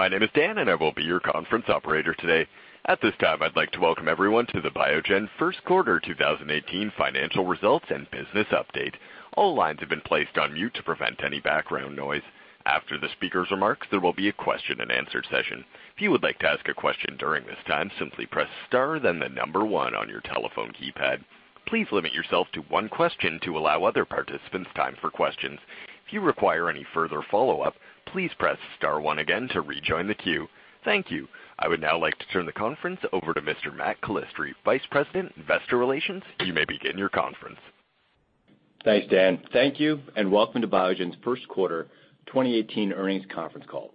My name is Dan. I will be your conference operator today. At this time, I'd like to welcome everyone to the Biogen first quarter 2018 Financial Results and Business Update. All lines have been placed on mute to prevent any background noise. After the speaker's remarks, there will be a question-and-answer session. If you would like to ask a question during this time, simply press star then the number one on your telephone keypad. Please limit yourself to one question to allow other participants time for questions. If you require any further follow-up, please press star one again to rejoin the queue. Thank you. I would now like to turn the conference over to Mr. Matt Calistri, Vice President, Investor Relations. You may begin your conference. Thanks, Dan. Thank you and welcome to Biogen's first quarter 2018 earnings conference call.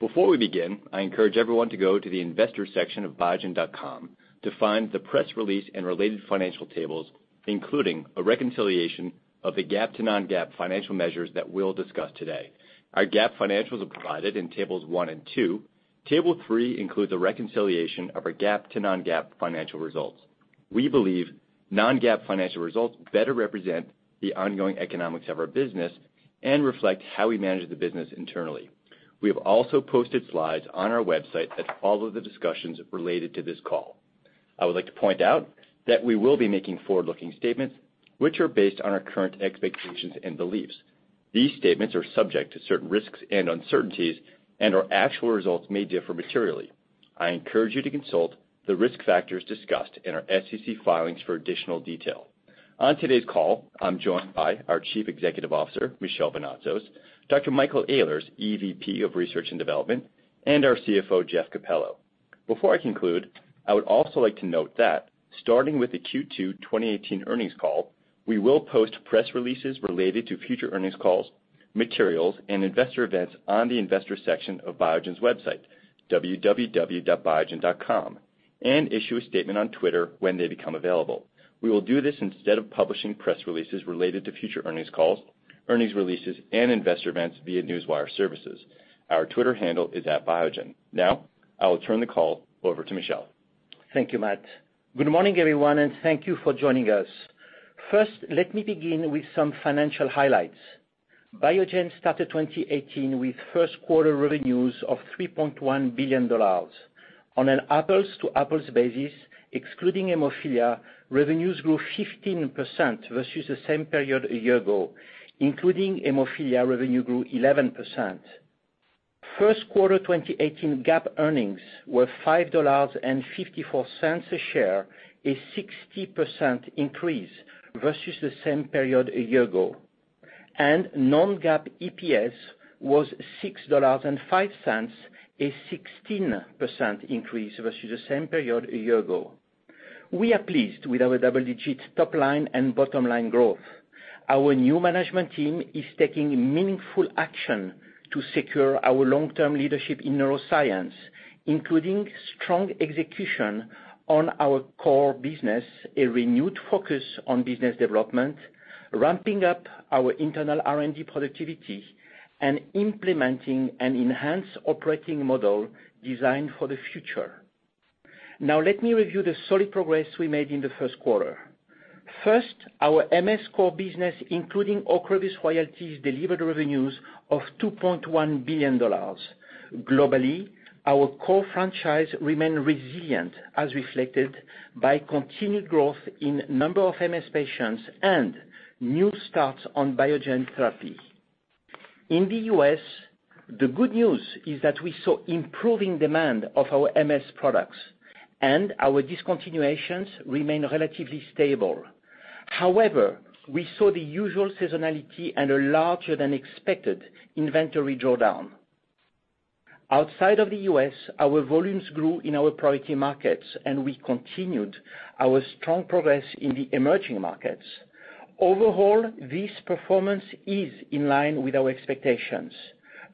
Before we begin, I encourage everyone to go to the investor section of biogen.com to find the press release and related financial tables, including a reconciliation of the GAAP to non-GAAP financial measures that we'll discuss today. Our GAAP financials are provided in tables one and two. Table three includes a reconciliation of our GAAP to non-GAAP financial results. We believe non-GAAP financial results better represent the ongoing economics of our business and reflect how we manage the business internally. We have also posted slides on our website that follow the discussions related to this call. I would like to point out that we will be making forward-looking statements which are based on our current expectations and beliefs. These statements are subject to certain risks and uncertainties, and our actual results may differ materially. I encourage you to consult the risk factors discussed in our SEC filings for additional detail. On today's call, I'm joined by our Chief Executive Officer, Michel Vounatsos, Dr. Michael Ehlers, EVP of Research & Development, and our CFO, Jeffrey Capello. Before I conclude, I would also like to note that starting with the Q2 2018 earnings call, we will post press releases related to future earnings calls, materials, and investor events on the investor section of Biogen's website, www.biogen.com, and issue a statement on Twitter when they become available. We will do this instead of publishing press releases related to future earnings calls, earnings releases, and investor events via Newswire Services. Our Twitter handle is @Biogen. I will turn the call over to Michel. Thank you, Matt. Good morning, everyone, and thank you for joining us. First, let me begin with some financial highlights. Biogen started 2018 with first quarter revenues of $3.1 billion. On an apples-to-apples basis, excluding hemophilia, revenues grew 15% versus the same period a year ago, including hemophilia revenue grew 11%. First quarter 2018 GAAP earnings were $5.54 a share, a 60% increase versus the same period a year ago. Non-GAAP EPS was $6.05, a 16% increase versus the same period a year ago. We are pleased with our double-digit top-line and bottom-line growth. Our new management team is taking meaningful action to secure our long-term leadership in neuroscience, including strong execution on our core business, a renewed focus on business development, ramping up our internal R&D productivity, and implementing an enhanced operating model designed for the future. Let me review the solid progress we made in the first quarter. First, our MS core business, including OCREVUS royalties, delivered revenues of $2.1 billion. Globally, our core franchise remained resilient, as reflected by continued growth in number of MS patients and new starts on Biogen therapy. In the U.S., the good news is that we saw improving demand of our MS products and our discontinuations remain relatively stable. We saw the usual seasonality and a larger than expected inventory drawdown. Outside of the U.S., our volumes grew in our priority markets, and we continued our strong progress in the emerging markets. Overall, this performance is in line with our expectations,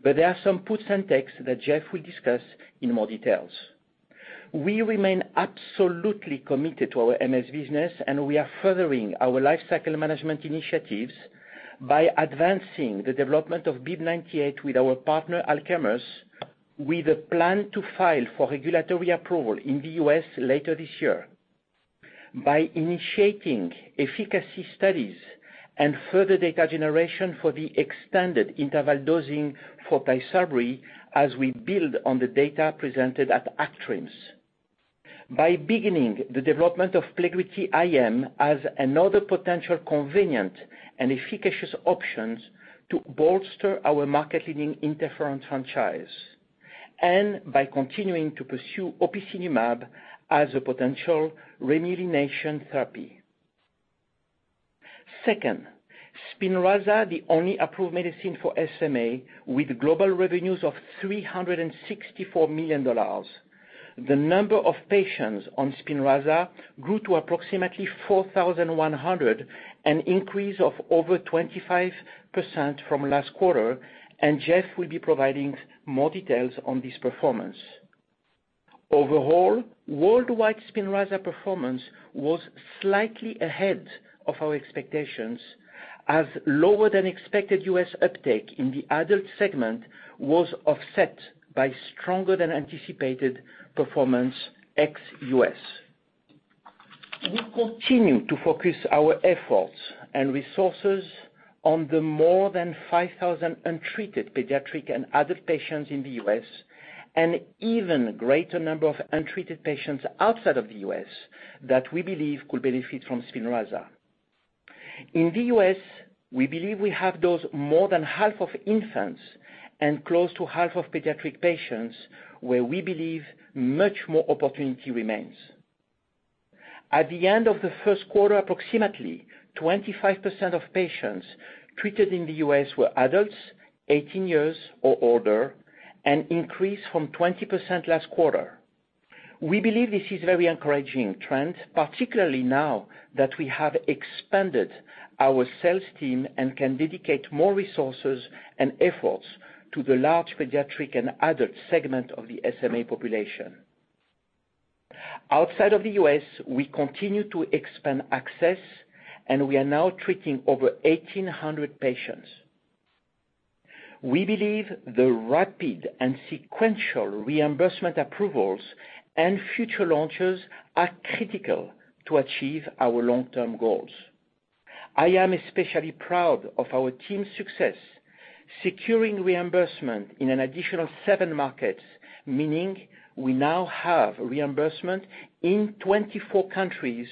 but there are some puts and takes that Jeff will discuss in more details. We remain absolutely committed to our MS business, and we are furthering our lifecycle management initiatives by advancing the development of BIIB098 with our partner, Alkermes, with a plan to file for regulatory approval in the U.S. later this year. By initiating efficacy studies and further data generation for the extended interval dosing for TYSABRI as we build on the data presented at ACTRIMS. By beginning the development of PLEGRIDY IM as another potential convenient and efficacious options to bolster our market-leading interferon franchise. By continuing to pursue opicinumab as a potential remyelination therapy. Second, SPINRAZA, the only approved medicine for SMA with global revenues of $364 million. The number of patients on SPINRAZA grew to approximately 4,100, an increase of over 25% from last quarter. Jeff will be providing more details on this performance. Overall, worldwide SPINRAZA performance was slightly ahead of our expectations as lower than expected U.S. uptake in the adult segment was offset by stronger than anticipated performance ex-U.S. We continue to focus our efforts and resources on the more than 5,000 untreated pediatric and adult patients in the U.S., and even greater number of untreated patients outside of the U.S. that we believe could benefit from SPINRAZA. In the U.S., we believe we have dosed more than half of infants and close to half of pediatric patients where we believe much more opportunity remains. At the end of the first quarter, approximately 25% of patients treated in the U.S. were adults, 18 years or older, an increase from 20% last quarter. We believe this is very encouraging trend, particularly now that we have expanded our sales team and can dedicate more resources and efforts to the large pediatric and adult segment of the SMA population. Outside of the U.S., we continue to expand access, and we are now treating over 1,800 patients. We believe the rapid and sequential reimbursement approvals and future launches are critical to achieve our long-term goals. I am especially proud of our team's success securing reimbursement in an additional seven markets, meaning we now have reimbursement in 24 countries,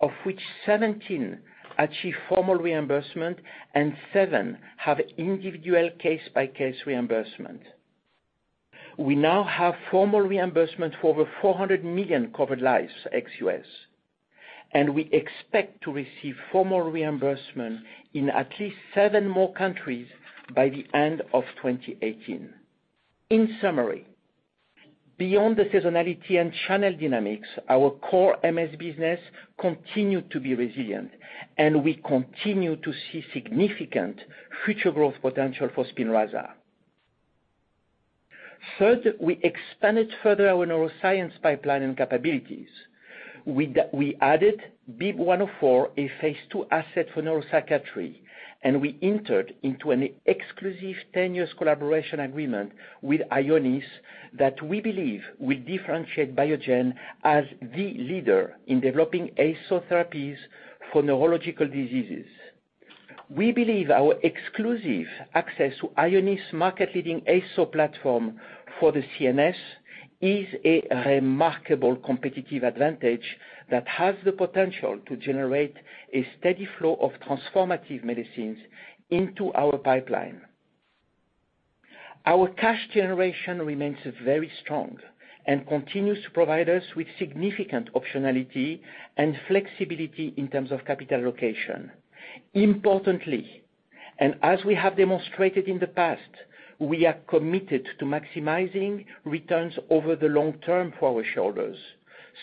of which 17 achieve formal reimbursement and seven have individual case-by-case reimbursement. We now have formal reimbursement for over 400 million covered lives ex-U.S. We expect to receive formal reimbursement in at least seven more countries by the end of 2018. In summary, beyond the seasonality and channel dynamics, our core MS business continued to be resilient. We continue to see significant future growth potential for SPINRAZA. Third, we expanded further our neuroscience pipeline and capabilities. We added BIIB104, a phase II asset for neuropsychiatry. We entered into an exclusive 10-year collaboration agreement with Ionis that we believe will differentiate Biogen as the leader in developing ASO therapies for neurological diseases. We believe our exclusive access to Ionis' market-leading ASO platform for the CNS is a remarkable competitive advantage that has the potential to generate a steady flow of transformative medicines into our pipeline. Our cash generation remains very strong, and continues to provide us with significant optionality, and flexibility in terms of capital allocation. Importantly, and as we have demonstrated in the past, we are committed to maximizing returns over the long term for our shareholders,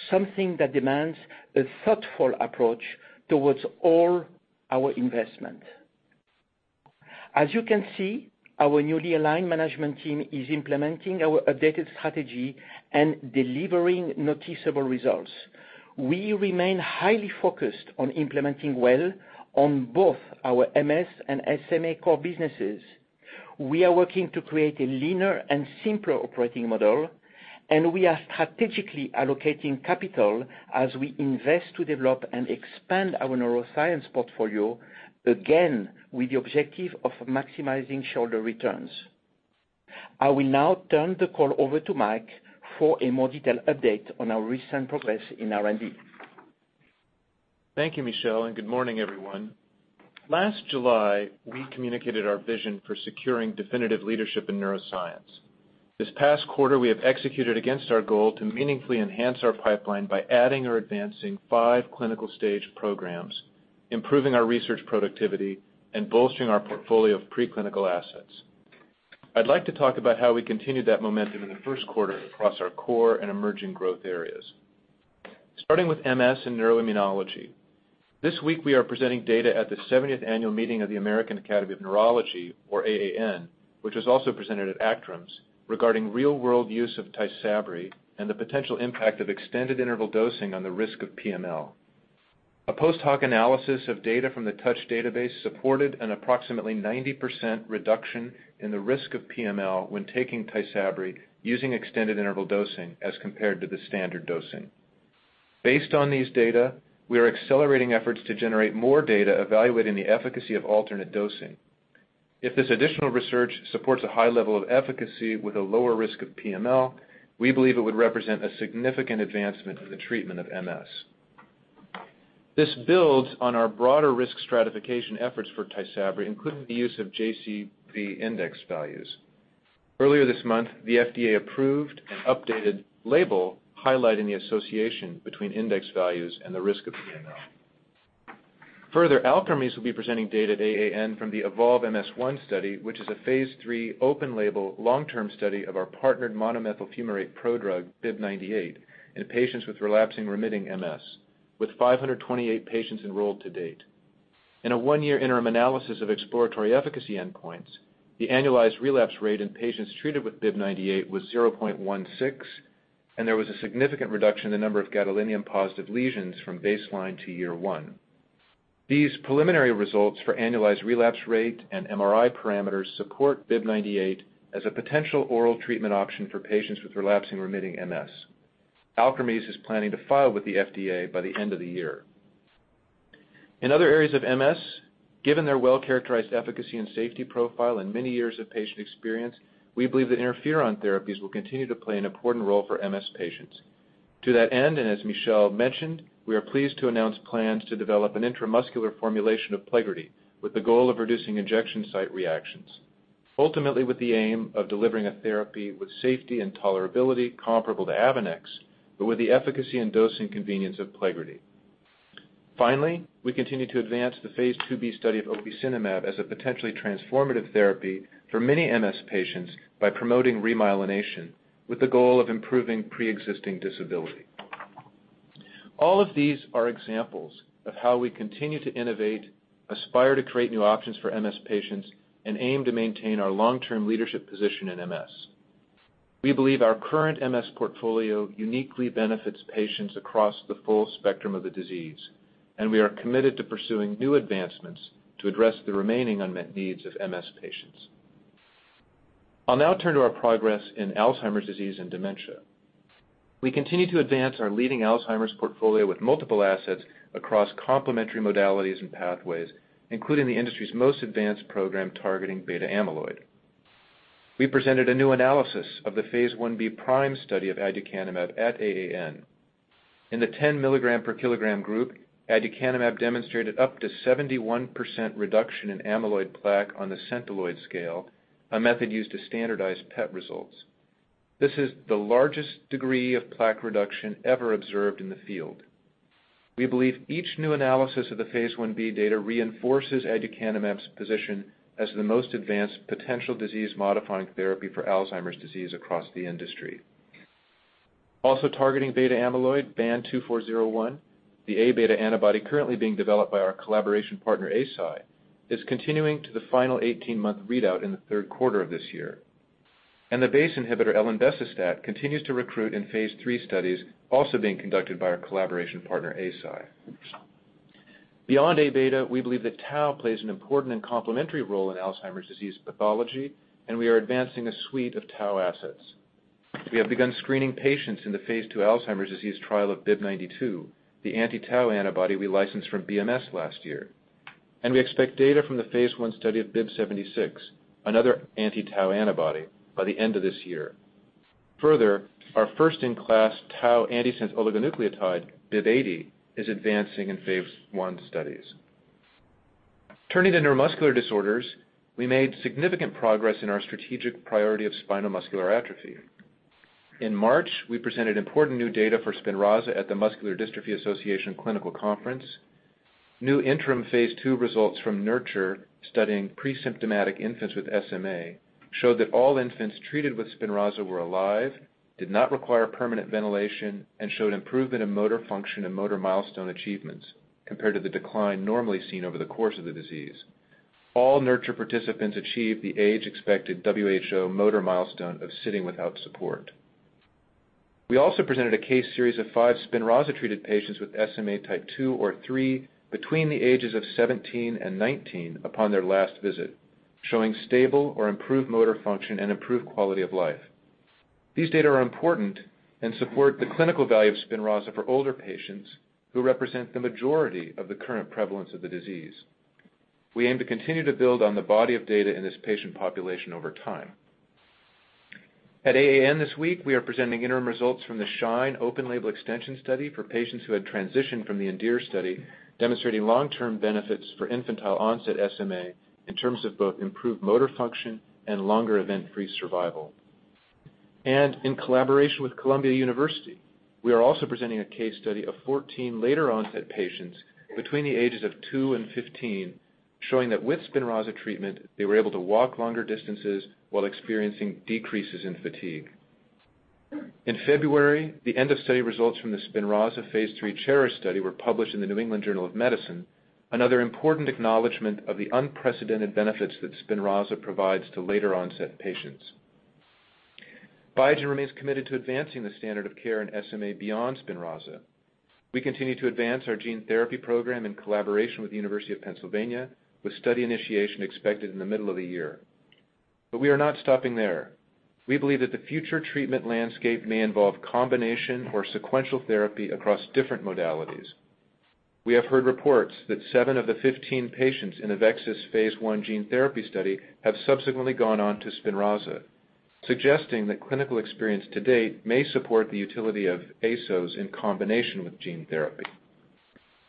something that demands a thoughtful approach towards all our investment. As you can see, our newly aligned management team is implementing our updated strategy and delivering noticeable results. We remain highly focused on implementing well on both our MS and SMA core businesses. We are working to create a leaner and simpler operating model, and we are strategically allocating capital as we invest to develop and expand our neuroscience portfolio, again with the objective of maximizing shareholder returns. I will now turn the call over to Mike for a more detailed update on our recent progress in R&D. Thank you, Michel, and good morning, everyone. Last July, we communicated our vision for securing definitive leadership in neuroscience. This past quarter, we have executed against our goal to meaningfully enhance our pipeline by adding or advancing five clinical stage programs, improving our research productivity, and bolstering our portfolio of preclinical assets. I'd like to talk about how we continued that momentum in the first quarter across our core and emerging growth areas. Starting with MS and neuroimmunology. This week, we are presenting data at the seventieth annual meeting of the American Academy of Neurology, or AAN, which was also presented at ACTRIMS, regarding real-world use of TYSABRI and the potential impact of extended interval dosing on the risk of PML. A post-hoc analysis of data from the TOUCH database supported an approximately 90% reduction in the risk of PML when taking TYSABRI using extended interval dosing as compared to the standard dosing. Based on these data, we are accelerating efforts to generate more data evaluating the efficacy of alternate dosing. If this additional research supports a high level of efficacy with a lower risk of PML, we believe it would represent a significant advancement in the treatment of MS. This builds on our broader risk stratification efforts for TYSABRI, including the use of JCV index values. Earlier this month, the FDA approved an updated label highlighting the association between index values and the risk of PML. Further, Alkermes will be presenting data at AAN from the EVOLVE-MS-1 study, which is a phase III open-label long-term study of our partnered monomethyl fumarate prodrug, BIIB098, in patients with relapsing-remitting MS, with 528 patients enrolled to date. In a one-year interim analysis of exploratory efficacy endpoints, the annualized relapse rate in patients treated with BIIB098 was 0.16, and there was a significant reduction in the number of gadolinium-positive lesions from baseline to year one. These preliminary results for annualized relapse rate and MRI parameters support BIIB098 as a potential oral treatment option for patients with relapsing-remitting MS. Alkermes is planning to file with the FDA by the end of the year. In other areas of MS, given their well-characterized efficacy and safety profile and many years of patient experience, we believe that interferon therapies will continue to play an important role for MS patients. To that end, and as Michel mentioned, we are pleased to announce plans to develop an intramuscular formulation of PLEGRIDY with the goal of reducing injection site reactions, ultimately with the aim of delivering a therapy with safety and tolerability comparable to AVONEX, but with the efficacy and dosing convenience of PLEGRIDY. Finally, we continue to advance the phase II-B study of opicinumab as a potentially transformative therapy for many MS patients by promoting remyelination with the goal of improving preexisting disability. All of these are examples of how we continue to innovate, aspire to create new options for MS patients, and aim to maintain our long-term leadership position in MS. We believe our current MS portfolio uniquely benefits patients across the full spectrum of the disease, and we are committed to pursuing new advancements to address the remaining unmet needs of MS patients. I'll now turn to our progress in Alzheimer's disease and dementia. We continue to advance our leading Alzheimer's portfolio with multiple assets across complementary modalities and pathways, including the industry's most advanced program targeting beta amyloid. We presented a new analysis of the phase I-B PRIME study of aducanumab at AAN. In the 10-milligram per kilogram group, aducanumab demonstrated up to 71% reduction in amyloid plaque on the Centiloid scale, a method used to standardize PET results. This is the largest degree of plaque reduction ever observed in the field. We believe each new analysis of the phase I-B data reinforces aducanumab's position as the most advanced potential disease-modifying therapy for Alzheimer's disease across the industry. Targeting beta amyloid BAN2401, the Aβ antibody currently being developed by our collaboration partner, Eisai, is continuing to the final 18-month readout in the third quarter of this year. The BACE inhibitor elenbecestat continues to recruit in phase III studies, also being conducted by our collaboration partner, Eisai. Beyond Aβ, we believe that tau plays an important and complementary role in Alzheimer's disease pathology. We are advancing a suite of tau assets. We have begun screening patients in the phase II Alzheimer's disease trial of BIIB092, the anti-tau antibody we licensed from BMS last year. We expect data from the phase I study of BIIB076, another anti-tau antibody by the end of this year. Our first-in-class tau antisense oligonucleotide, BIIB080, is advancing in phase I studies. Turning to neuromuscular disorders, we made significant progress in our strategic priority of spinal muscular atrophy. In March, we presented important new data for SPINRAZA at the Muscular Dystrophy Association Clinical Conference. New interim phase II results from NURTURE studying presymptomatic infants with SMA showed that all infants treated with SPINRAZA were alive, did not require permanent ventilation, and showed improvement in motor function and motor milestone achievements compared to the decline normally seen over the course of the disease. All NURTURE participants achieved the age-expected WHO motor milestone of sitting without support. We also presented a case series of five SPINRAZA-treated patients with SMA type two or three between the ages of 17 and 19 upon their last visit, showing stable or improved motor function and improved quality of life. These data are important and support the clinical value of SPINRAZA for older patients who represent the majority of the current prevalence of the disease. We aim to continue to build on the body of data in this patient population over time. At AAN this week, we are presenting interim results from the SHINE open label extension study for patients who had transitioned from the ENDEAR study, demonstrating long-term benefits for infantile-onset SMA in terms of both improved motor function and longer event-free survival. In collaboration with Columbia University, we are also presenting a case study of 14 later-onset patients between the ages of two and 15, showing that with SPINRAZA treatment, they were able to walk longer distances while experiencing decreases in fatigue. In February, the end-of-study results from the SPINRAZA phase III CHERISH study were published in The New England Journal of Medicine, another important acknowledgment of the unprecedented benefits that SPINRAZA provides to later-onset patients. Biogen remains committed to advancing the standard of care in SMA beyond SPINRAZA. We continue to advance our gene therapy program in collaboration with the University of Pennsylvania, with study initiation expected in the middle of the year. We are not stopping there. We believe that the future treatment landscape may involve combination or sequential therapy across different modalities. We have heard reports that seven of the 15 patients in AveXis' phase I gene therapy study have subsequently gone on to SPINRAZA, suggesting that clinical experience to date may support the utility of ASOs in combination with gene therapy.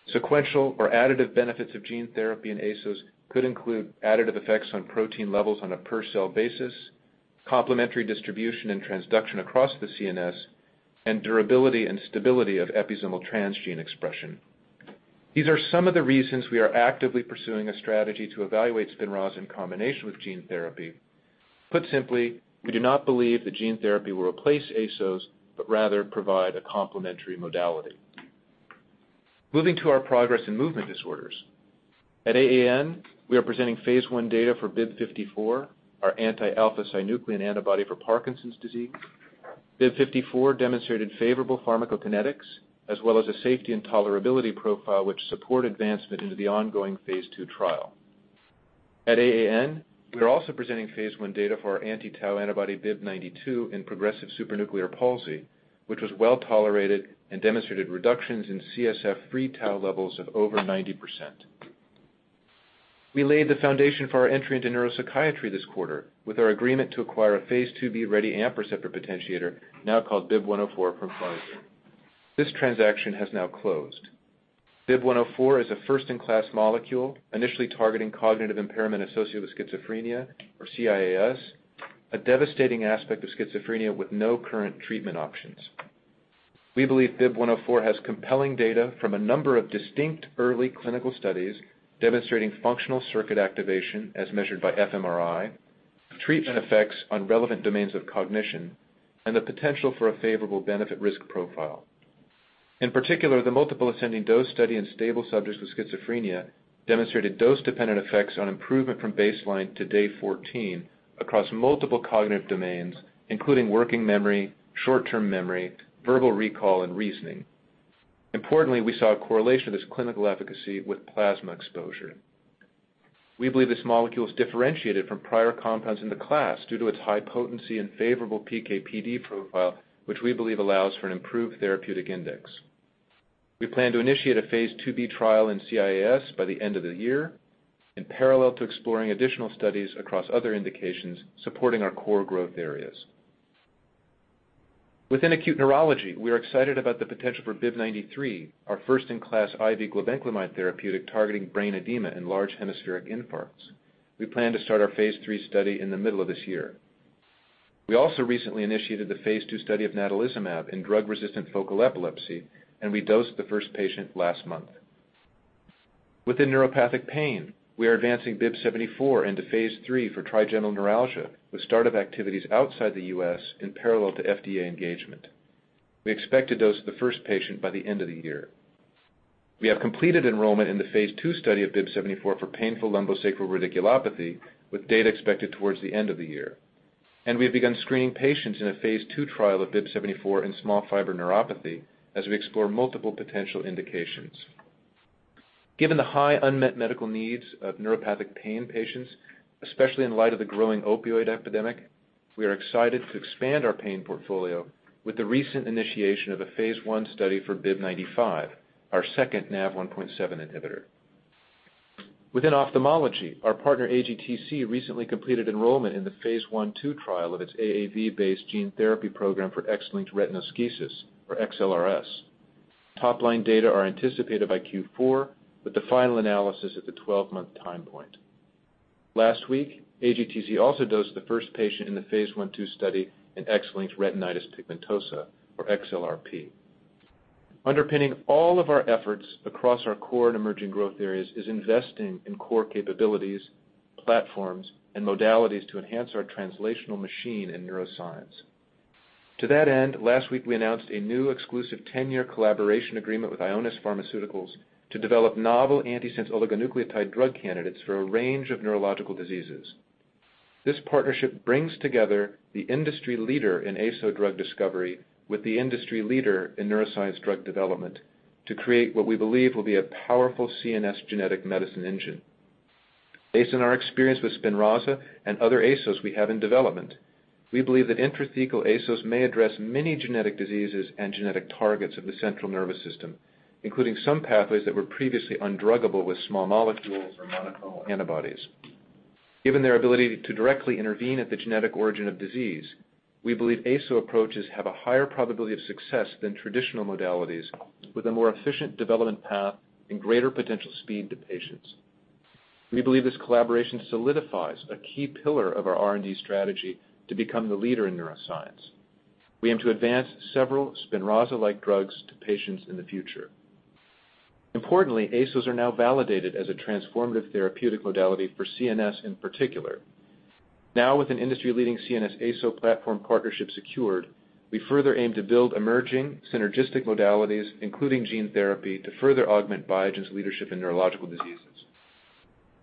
Sequential or additive benefits of gene therapy and ASOs could include additive effects on protein levels on a per cell basis, complementary distribution and transduction across the CNS, and durability and stability of episomal transgene expression. These are some of the reasons we are actively pursuing a strategy to evaluate SPINRAZA in combination with gene therapy. Put simply, we do not believe that gene therapy will replace ASOs, but rather provide a complementary modality. Moving to our progress in movement disorders. At AAN, we are presenting phase I data for BIIB054, our anti-alpha-synuclein antibody for Parkinson's disease. BIIB054 demonstrated favorable pharmacokinetics as well as a safety and tolerability profile which support advancement into the ongoing phase II trial. At AAN, we are also presenting phase I data for our anti-tau antibody BIIB092 in progressive supranuclear palsy, which was well-tolerated and demonstrated reductions in CSF free tau levels of over 90%. We laid the foundation for our entry into neuropsychiatry this quarter with our agreement to acquire a phase I-B-ready AMPA receptor potentiator, now called BIIB104, from Pfizer. This transaction has now closed. BIIB104 is a first-in-class molecule initially targeting cognitive impairment associated with schizophrenia, or CIAS, a devastating aspect of schizophrenia with no current treatment options. We believe BIIB104 has compelling data from a number of distinct early clinical studies demonstrating functional circuit activation as measured by fMRI, treatment effects on relevant domains of cognition, and the potential for a favorable benefit risk profile. In particular, the multiple ascending dose study in stable subjects with schizophrenia demonstrated dose-dependent effects on improvement from baseline to day 14 across multiple cognitive domains, including working memory, short-term memory, verbal recall, and reasoning. Importantly, we saw a correlation of this clinical efficacy with plasma exposure. We believe this molecule is differentiated from prior compounds in the class due to its high potency and favorable PK/PD profile, which we believe allows for an improved therapeutic index. We plan to initiate a Phase II-B trial in CIAS by the end of the year in parallel to exploring additional studies across other indications supporting our core growth areas. Within acute neurology, we are excited about the potential for BIIB093, our first in class IV glibenclamide therapeutic targeting brain edema and large hemispheric infarcts. We plan to start our Phase III study in the middle of this year. We also recently initiated the phase II study of natalizumab in drug-resistant focal epilepsy, and we dosed the first patient last month. Within neuropathic pain, we are advancing BIIB074 into phase III for trigeminal neuralgia with start of activities outside the U.S. in parallel to FDA engagement. We expect to dose the first patient by the end of the year. We have completed enrollment in the phase II study of BIIB074 for painful lumbosacral radiculopathy, with data expected towards the end of the year. We have begun screening patients in a phase II trial of BIIB074 in small fiber neuropathy as we explore multiple potential indications. Given the high unmet medical needs of neuropathic pain patients, especially in light of the growing opioid epidemic, we are excited to expand our pain portfolio with the recent initiation of a phase I study for BIIB095, our second NaV1.7 inhibitor. Within ophthalmology, our partner AGTC recently completed enrollment in the phase I/II trial of its AAV-based gene therapy program for X-linked retinoschisis, or XLRS. Top-line data are anticipated by Q4, with the final analysis at the 12-month time point. Last week, AGTC also dosed the first patient in the phase I/II study in X-linked retinitis pigmentosa, or XLRP. Underpinning all of our efforts across our core and emerging growth areas is investing in core capabilities, platforms, and modalities to enhance our translational machine in neuroscience. To that end, last week we announced a new exclusive 10-year collaboration agreement with Ionis Pharmaceuticals to develop novel antisense oligonucleotide drug candidates for a range of neurological diseases. This partnership brings together the industry leader in ASO drug discovery with the industry leader in neuroscience drug development to create what we believe will be a powerful CNS genetic medicine engine. Based on our experience with SPINRAZA and other ASOs we have in development, we believe that intrathecal ASOs may address many genetic diseases and genetic targets of the central nervous system, including some pathways that were previously undruggable with small molecules or monoclonal antibodies. Given their ability to directly intervene at the genetic origin of disease, we believe ASO approaches have a higher probability of success than traditional modalities with a more efficient development path and greater potential speed to patients. We believe this collaboration solidifies a key pillar of our R&D strategy to become the leader in neuroscience. We aim to advance several SPINRAZA-like drugs to patients in the future. Importantly, ASOs are now validated as a transformative therapeutic modality for CNS in particular. Now with an industry-leading CNS ASO platform partnership secured, we further aim to build emerging synergistic modalities, including gene therapy, to further augment Biogen's leadership in neurological diseases.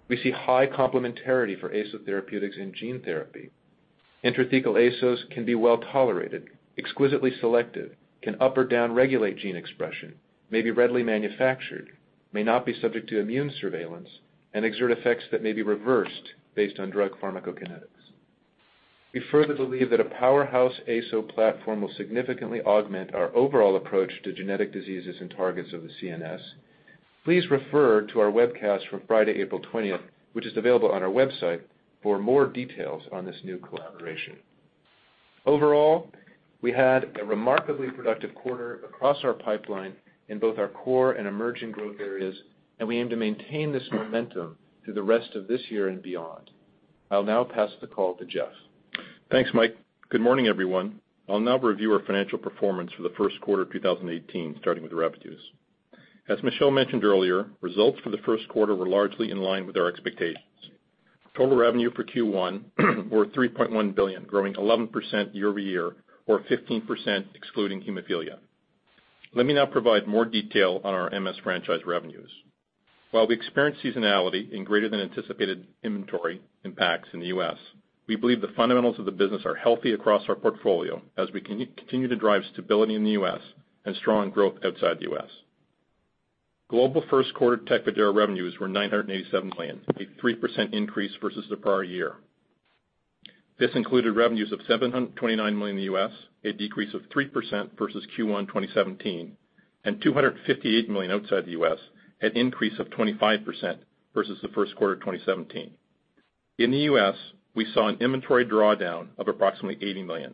We see high complementarity for ASO therapeutics in gene therapy. Intrathecal ASOs can be well-tolerated, exquisitely selective, can up or down-regulate gene expression, may be readily manufactured, may not be subject to immune surveillance, and exert effects that may be reversed based on drug pharmacokinetics. We further believe that a powerhouse ASO platform will significantly augment our overall approach to genetic diseases and targets of the CNS. Please refer to our webcast from Friday, April 20th, which is available on our website, for more details on this new collaboration. Overall, we had a remarkably productive quarter across our pipeline in both our core and emerging growth areas, and we aim to maintain this momentum through the rest of this year and beyond. I'll now pass the call to Jeff. Thanks, Mike. Good morning, everyone. I'll now review our financial performance for Q1 of 2018, starting with revenues. As Michel Vounatsos mentioned earlier, results for Q1 were largely in line with our expectations. Total revenue for Q1 were $3.1 billion, growing 11% year-over-year or 15% excluding hemophilia. Let me now provide more detail on our MS franchise revenues. While we experienced seasonality in greater than anticipated inventory impacts in the U.S., we believe the fundamentals of the business are healthy across our portfolio as we continue to drive stability in the U.S. and strong growth outside the U.S. Global Q1 TECFIDERA revenues were $987 million, a 3% increase versus the prior year. This included revenues of $729 million in the U.S., a decrease of 3% versus Q1 2017, and $258 million outside the U.S., an increase of 25%, versus the first quarter of 2017. In the U.S., we saw an inventory drawdown of approximately $80 million.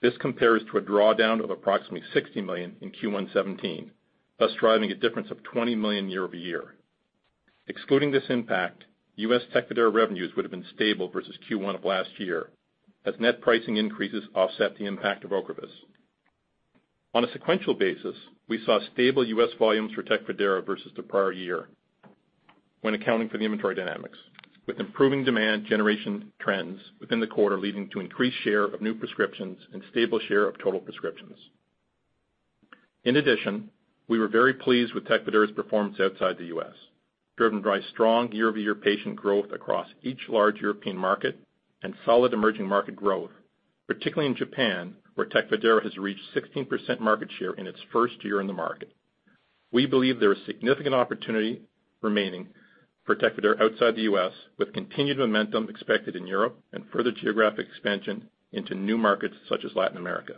This compares to a drawdown of approximately $60 million in Q1 2017, thus driving a difference of $20 million year-over-year. Excluding this impact, U.S. TECFIDERA revenues would have been stable versus Q1 of last year, as net pricing increases offset the impact of OCREVUS. On a sequential basis, we saw stable U.S. volumes for TECFIDERA versus the prior year when accounting for the inventory dynamics, with improving demand generation trends within the quarter leading to increased share of new prescriptions and stable share of total prescriptions. We were very pleased with TECFIDERA's performance outside the U.S., driven by strong year-over-year patient growth across each large European market and solid emerging market growth, particularly in Japan, where TECFIDERA has reached 16% market share in its first year in the market. We believe there is significant opportunity remaining for TECFIDERA outside the U.S., with continued momentum expected in Europe and further geographic expansion into new markets such as Latin America.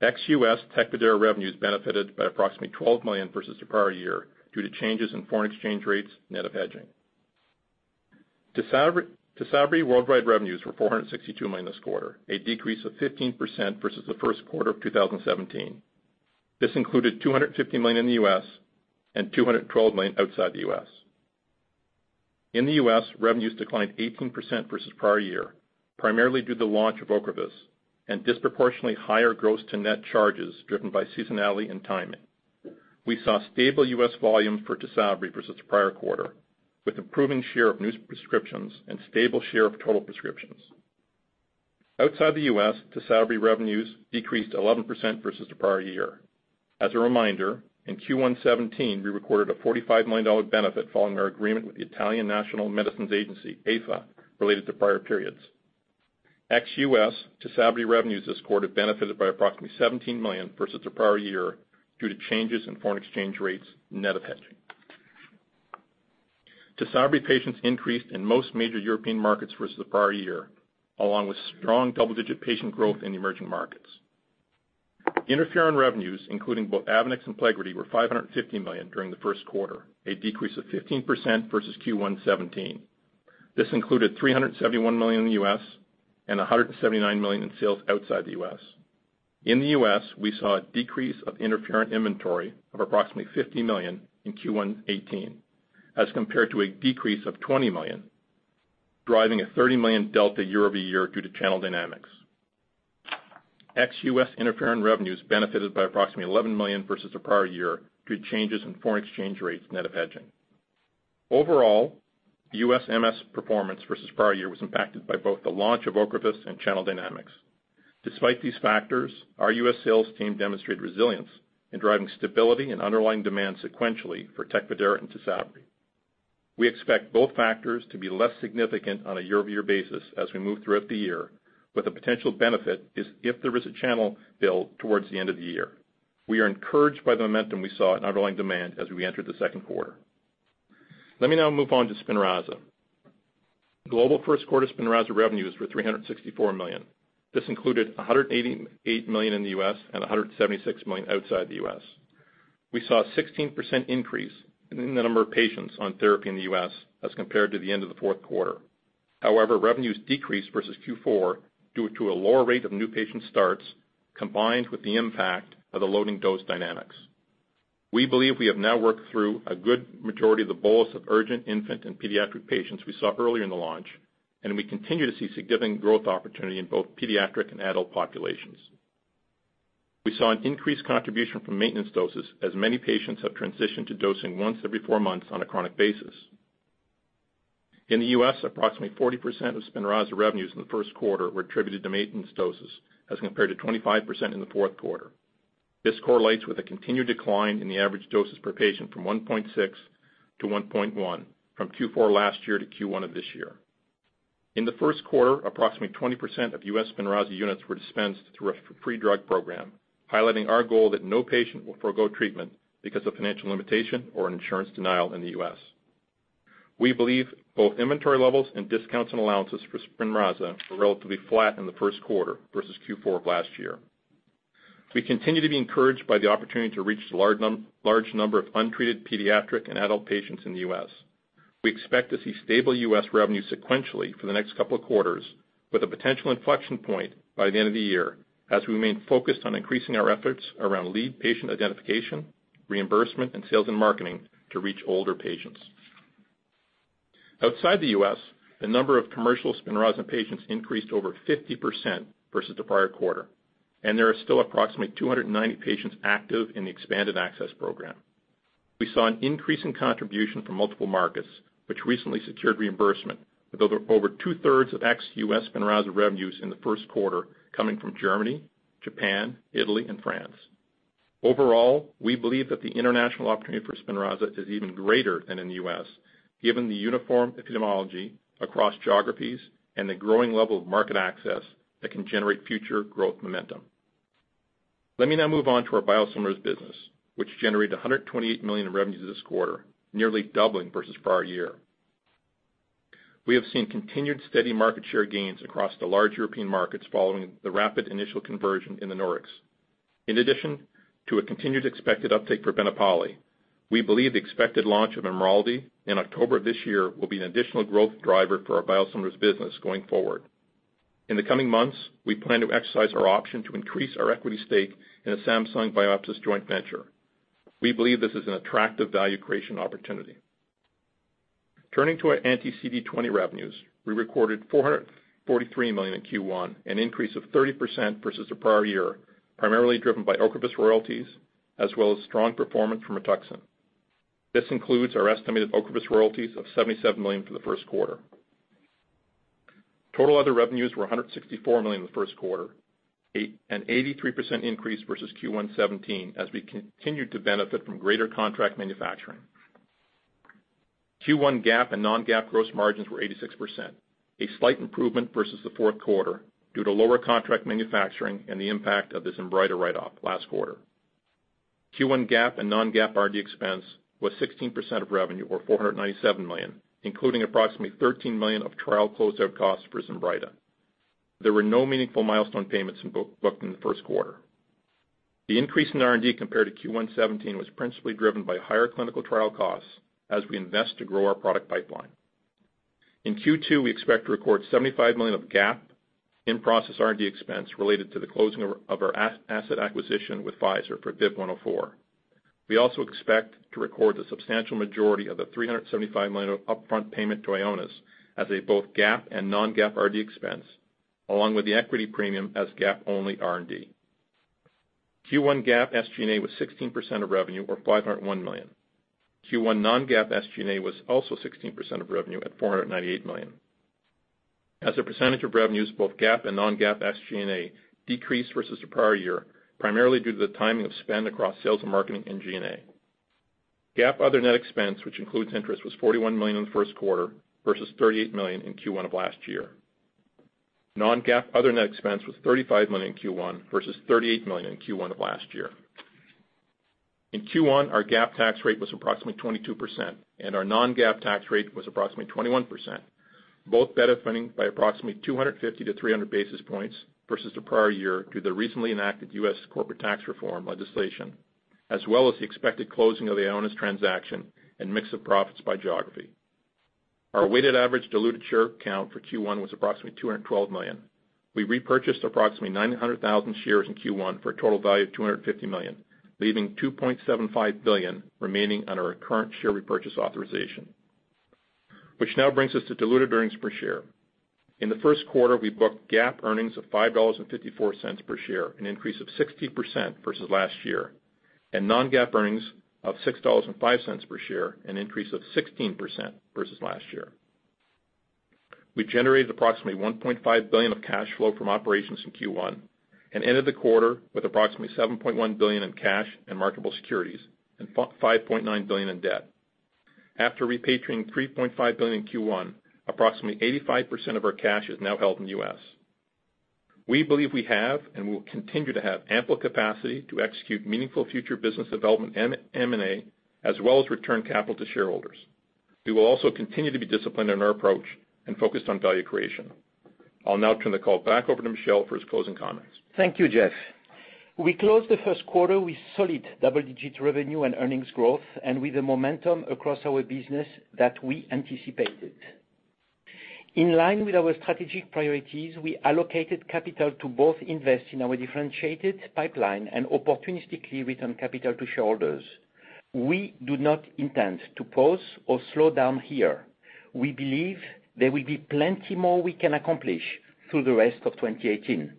Ex-U.S. TECFIDERA revenues benefited by approximately $12 million versus the prior year due to changes in foreign exchange rates, net of hedging. TYSABRI worldwide revenues were $462 million this quarter, a decrease of 15% versus the first quarter of 2017. This included $250 million in the U.S. and $212 million outside the U.S. In the U.S., revenues declined 18% versus prior year, primarily due to the launch of OCREVUS and disproportionately higher gross-to-net charges driven by seasonality and timing. We saw stable U.S. volumes for TYSABRI versus the prior quarter, with improving share of new prescriptions and stable share of total prescriptions. Outside the U.S., TYSABRI revenues decreased 11% versus the prior year. As a reminder, in Q1 2017, we recorded a $45 million benefit following our agreement with the Italian Medicines Agency, AIFA, related to prior periods. Ex-U.S., TYSABRI revenues this quarter benefited by approximately $17 million versus the prior year due to changes in foreign exchange rates, net of hedging. TYSABRI patients increased in most major European markets versus the prior year, along with strong double-digit patient growth in emerging markets. Interferon revenues, including both AVONEX and PLEGRIDY, were $550 million during Q1, a decrease of 15% versus Q1 2017. This included $371 million in the U.S. and $179 million in sales outside the U.S. In the U.S., we saw a decrease of interferon inventory of approximately $50 million in Q1 2018 as compared to a decrease of $20 million, driving a $30 million delta year-over-year due to channel dynamics. Ex-U.S. interferon revenues benefited by approximately $11 million versus the prior year due to changes in foreign exchange rates, net of hedging. Overall, U.S. MS performance versus prior year was impacted by both the launch of OCREVUS and channel dynamics. Despite these factors, our U.S. sales team demonstrated resilience in driving stability and underlying demand sequentially for TECFIDERA and TYSABRI. We expect both factors to be less significant on a year-over-year basis as we move throughout the year, with a potential benefit is if there is a channel build towards the end of the year. We are encouraged by the momentum we saw in underlying demand as we entered the second quarter. Let me now move on to SPINRAZA. Global first quarter SPINRAZA revenues were $364 million. This included $188 million in the U.S. and $176 million outside the U.S. We saw a 16% increase in the number of patients on therapy in the U.S. as compared to the end of the fourth quarter. Revenues decreased versus Q4 due to a lower rate of new patient starts combined with the impact of the loading dose dynamics. We believe we have now worked through a good majority of the bolus of urgent infant and pediatric patients we saw earlier in the launch, and we continue to see significant growth opportunity in both pediatric and adult populations. We saw an increased contribution from maintenance doses as many patients have transitioned to dosing once every four months on a chronic basis. In the U.S., approximately 40% of SPINRAZA revenues in the first quarter were attributed to maintenance doses as compared to 25% in the fourth quarter. This correlates with a continued decline in the average doses per patient from 1.6-1.1 from Q4 last year to Q1 of this year. In the first quarter, approximately 20% of U.S. SPINRAZA units were dispensed through a free drug program, highlighting our goal that no patient will forego treatment because of financial limitation or insurance denial in the U.S. We believe both inventory levels and discounts and allowances for SPINRAZA were relatively flat in the first quarter versus Q4 of last year. We continue to be encouraged by the opportunity to reach a large number of untreated pediatric and adult patients in the U.S. We expect to see stable U.S. revenue sequentially for the next couple of quarters, with a potential inflection point by the end of the year as we remain focused on increasing our efforts around lead patient identification, reimbursement, and sales and marketing to reach older patients. Outside the U.S., the number of commercial SPINRAZA patients increased over 50% versus the prior quarter, and there are still approximately 290 patients active in the expanded access program. We saw an increase in contribution from multiple markets, which recently secured reimbursement with over two-thirds of ex-U.S. SPINRAZA revenues in the first quarter coming from Germany, Japan, Italy, and France. Overall, we believe that the international opportunity for SPINRAZA is even greater than in the U.S. given the uniform epidemiology across geographies and the growing level of market access that can generate future growth momentum. Let me now move on to our biosimilars business, which generated $128 million in revenues this quarter, nearly doubling versus prior year. We have seen continued steady market share gains across the large European markets following the rapid initial conversion in the Nordics. In addition to a continued expected uptake for BENEPALI, we believe the expected launch of IMRALDI in October of this year will be an additional growth driver for our biosimilars business going forward. In the coming months, we plan to exercise our option to increase our equity stake in a Samsung Bioepis joint venture. We believe this is an attractive value creation opportunity. Turning to our anti-CD20 revenues, we recorded $443 million in Q1, an increase of 30% versus the prior year, primarily driven by OCREVUS royalties as well as strong performance from Rituxan. This includes our estimated OCREVUS royalties of $77 million for the first quarter. Total other revenues were $164 million in the first quarter, an 83% increase versus Q1 2017 as we continued to benefit from greater contract manufacturing. Q1 GAAP and non-GAAP gross margins were 86%, a slight improvement versus the fourth quarter due to lower contract manufacturing and the impact of the ZINBRYTA write-off last quarter. Q1 GAAP and non-GAAP R&D expense was 16% of revenue or $497 million, including approximately $13 million of trial closeout costs for ZINBRYTA. There were no meaningful milestone payments booked in the first quarter. The increase in R&D compared to Q1 2017 was principally driven by higher clinical trial costs as we invest to grow our product pipeline. In Q2, we expect to record $75 million of GAAP in process R&D expense related to the closing of our asset acquisition with Pfizer for BIIB104. We also expect to record the substantial majority of the $375 million upfront payment to Ionis as a both GAAP and non-GAAP R&D expense, along with the equity premium as GAAP-only R&D. Q1 GAAP SG&A was 16% of revenue or $501 million. Q1 non-GAAP SG&A was also 16% of revenue at $498 million. As a percentage of revenues, both GAAP and non-GAAP SG&A decreased versus the prior year, primarily due to the timing of spend across sales and marketing in G&A. GAAP other net expense, which includes interest, was $41 million in the first quarter versus $38 million in Q1 of last year. Non-GAAP other net expense was $35 million in Q1 versus $38 million in Q1 of last year. In Q1, our GAAP tax rate was approximately 22%, and our non-GAAP tax rate was approximately 21%, both benefiting by approximately 250-300 basis points versus the prior year due to the recently enacted U.S. corporate tax reform legislation, as well as the expected closing of the Ionis transaction and mix of profits by geography. Our weighted average diluted share count for Q1 was approximately 212 million. We repurchased approximately 900,000 shares in Q1 for a total value of $250 million, leaving $2.75 billion remaining under our current share repurchase authorization, which now brings us to diluted earnings per share. In the first quarter, we booked GAAP earnings of $5.54 per share, an increase of 60% versus last year, and non-GAAP earnings of $6.05 per share, an increase of 16% versus last year. We generated approximately $1.5 billion of cash flow from operations in Q1 and ended the quarter with approximately $7.1 billion in cash and marketable securities and $5.9 billion in debt. After repatriating $3.5 billion in Q1, approximately 85% of our cash is now held in the U.S. We believe we have and will continue to have ample capacity to execute meaningful future business development and M&A, as well as return capital to shareholders. We will also continue to be disciplined in our approach and focused on value creation. I'll now turn the call back over to Michel for his closing comments. Thank you, Jeff. We closed the first quarter with solid double-digit revenue and earnings growth and with the momentum across our business that we anticipated. In line with our strategic priorities, we allocated capital to both invest in our differentiated pipeline and opportunistically return capital to shareholders. We do not intend to pause or slow down here. We believe there will be plenty more we can accomplish through the rest of 2018.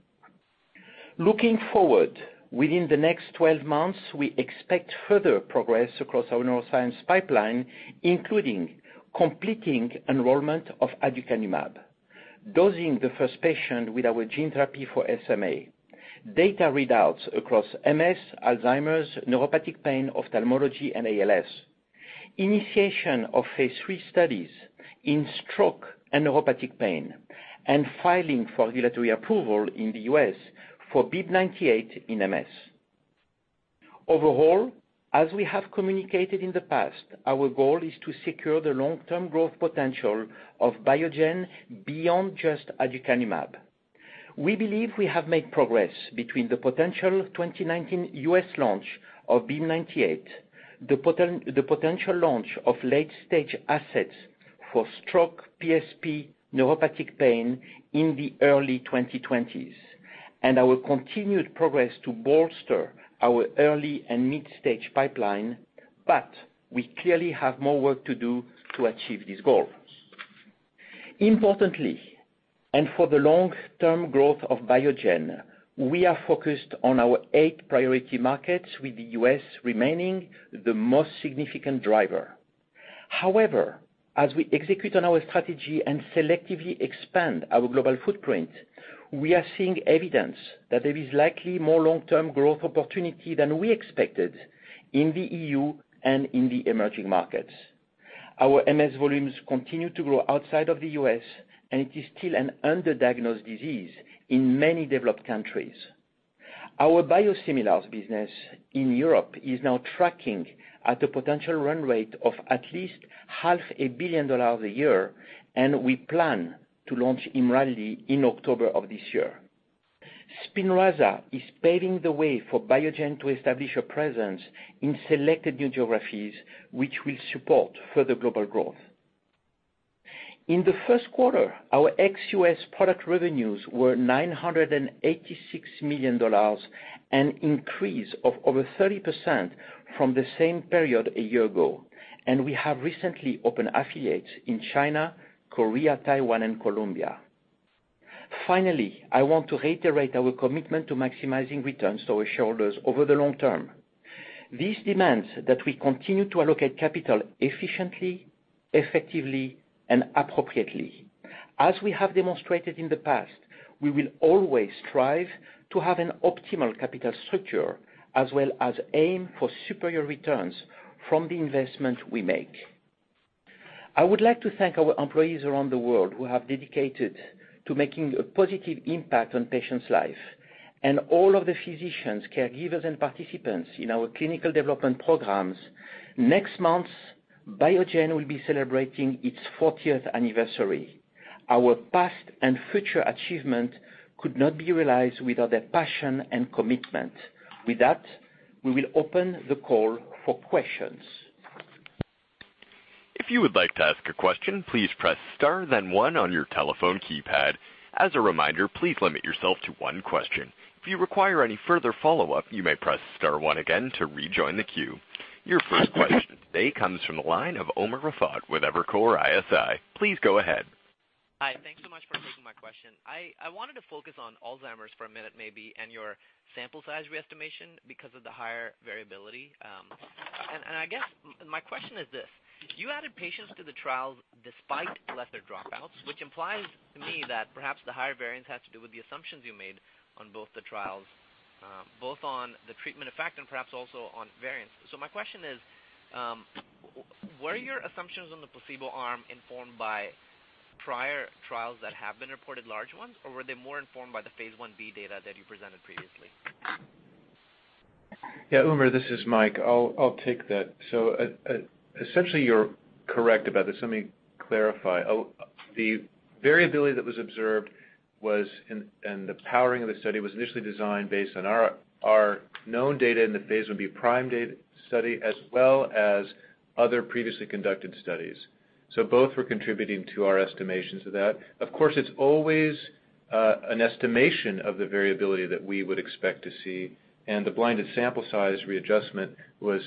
Looking forward, within the next 12 months, we expect further progress across our neuroscience pipeline, including completing enrollment of aducanumab, dosing the first patient with our gene therapy for SMA, data readouts across MS, Alzheimer's, neuropathic pain, ophthalmology, and ALS, initiation of phase III studies in stroke and neuropathic pain, and filing for regulatory approval in the U.S. for BIIB098 in MS. Overall, as we have communicated in the past, our goal is to secure the long-term growth potential of Biogen beyond just aducanumab. We believe we have made progress between the potential 2019 U.S. launch of BIIB098, the potential launch of late-stage assets for stroke PSP neuropathic pain in the early 2020s, and our continued progress to bolster our early and mid-stage pipeline, but we clearly have more work to do to achieve this goal. Importantly, and for the long-term growth of Biogen, we are focused on our eight priority markets with the U.S. remaining the most significant driver. However, as we execute on our strategy and selectively expand our global footprint, we are seeing evidence that there is likely more long-term growth opportunity than we expected in the EU and in the emerging markets. Our MS volumes continue to grow outside of the U.S. It is still an under-diagnosed disease in many developed countries. Our biosimilars business in Europe is now tracking at a potential run rate of at least half a billion dollars a year. We plan to launch IMRALDI in October of this year. SPINRAZA is paving the way for Biogen to establish a presence in selected new geographies, which will support further global growth. In the first quarter, our ex-U.S. product revenues were $986 million, an increase of over 30% from the same period a year ago. We have recently opened affiliates in China, Korea, Taiwan, and Colombia. Finally, I want to reiterate our commitment to maximizing returns to our shareholders over the long term. This demands that we continue to allocate capital efficiently, effectively, and appropriately. As we have demonstrated in the past, we will always strive to have an optimal capital structure as well as aim for superior returns from the investment we make. I would like to thank our employees around the world who have dedicated to making a positive impact on patients' life and all of the physicians, caregivers, and participants in our clinical development programs. Next month, Biogen will be celebrating its 40th anniversary. Our past and future achievement could not be realized without their passion and commitment. With that, we will open the call for questions. If you would like to ask a question, please press star then one on your telephone keypad. As a reminder please limit yourself to one question. If you require any further follow-up you may press star one again to rejoin the queue. Your first question today comes from the line of Umer Raffat with Evercore ISI. Please go ahead. Hi. Thanks so much for taking my question. I wanted to focus on Alzheimer's for a minute maybe and your sample size re-estimation because of the higher variability. I guess my question is this: You added patients to the trials despite lesser dropouts, which implies to me that perhaps the higher variance has to do with the assumptions you made on both the trials, both on the treatment effect and perhaps also on variance. My question is, were your assumptions on the placebo arm informed by prior trials that have been reported large ones, or were they more informed by the phase I-B data that you presented previously? Yeah, Umer, this is Michael. I'll take that. Essentially, you're correct about this. Let me clarify. The variability that was observed was in, and the powering of the study was initially designed based on our known data in the phase I-B PRIME data study as well as other previously conducted studies. Both were contributing to our estimations of that. Of course, it's always an estimation of the variability that we would expect to see, and the blinded sample size readjustment was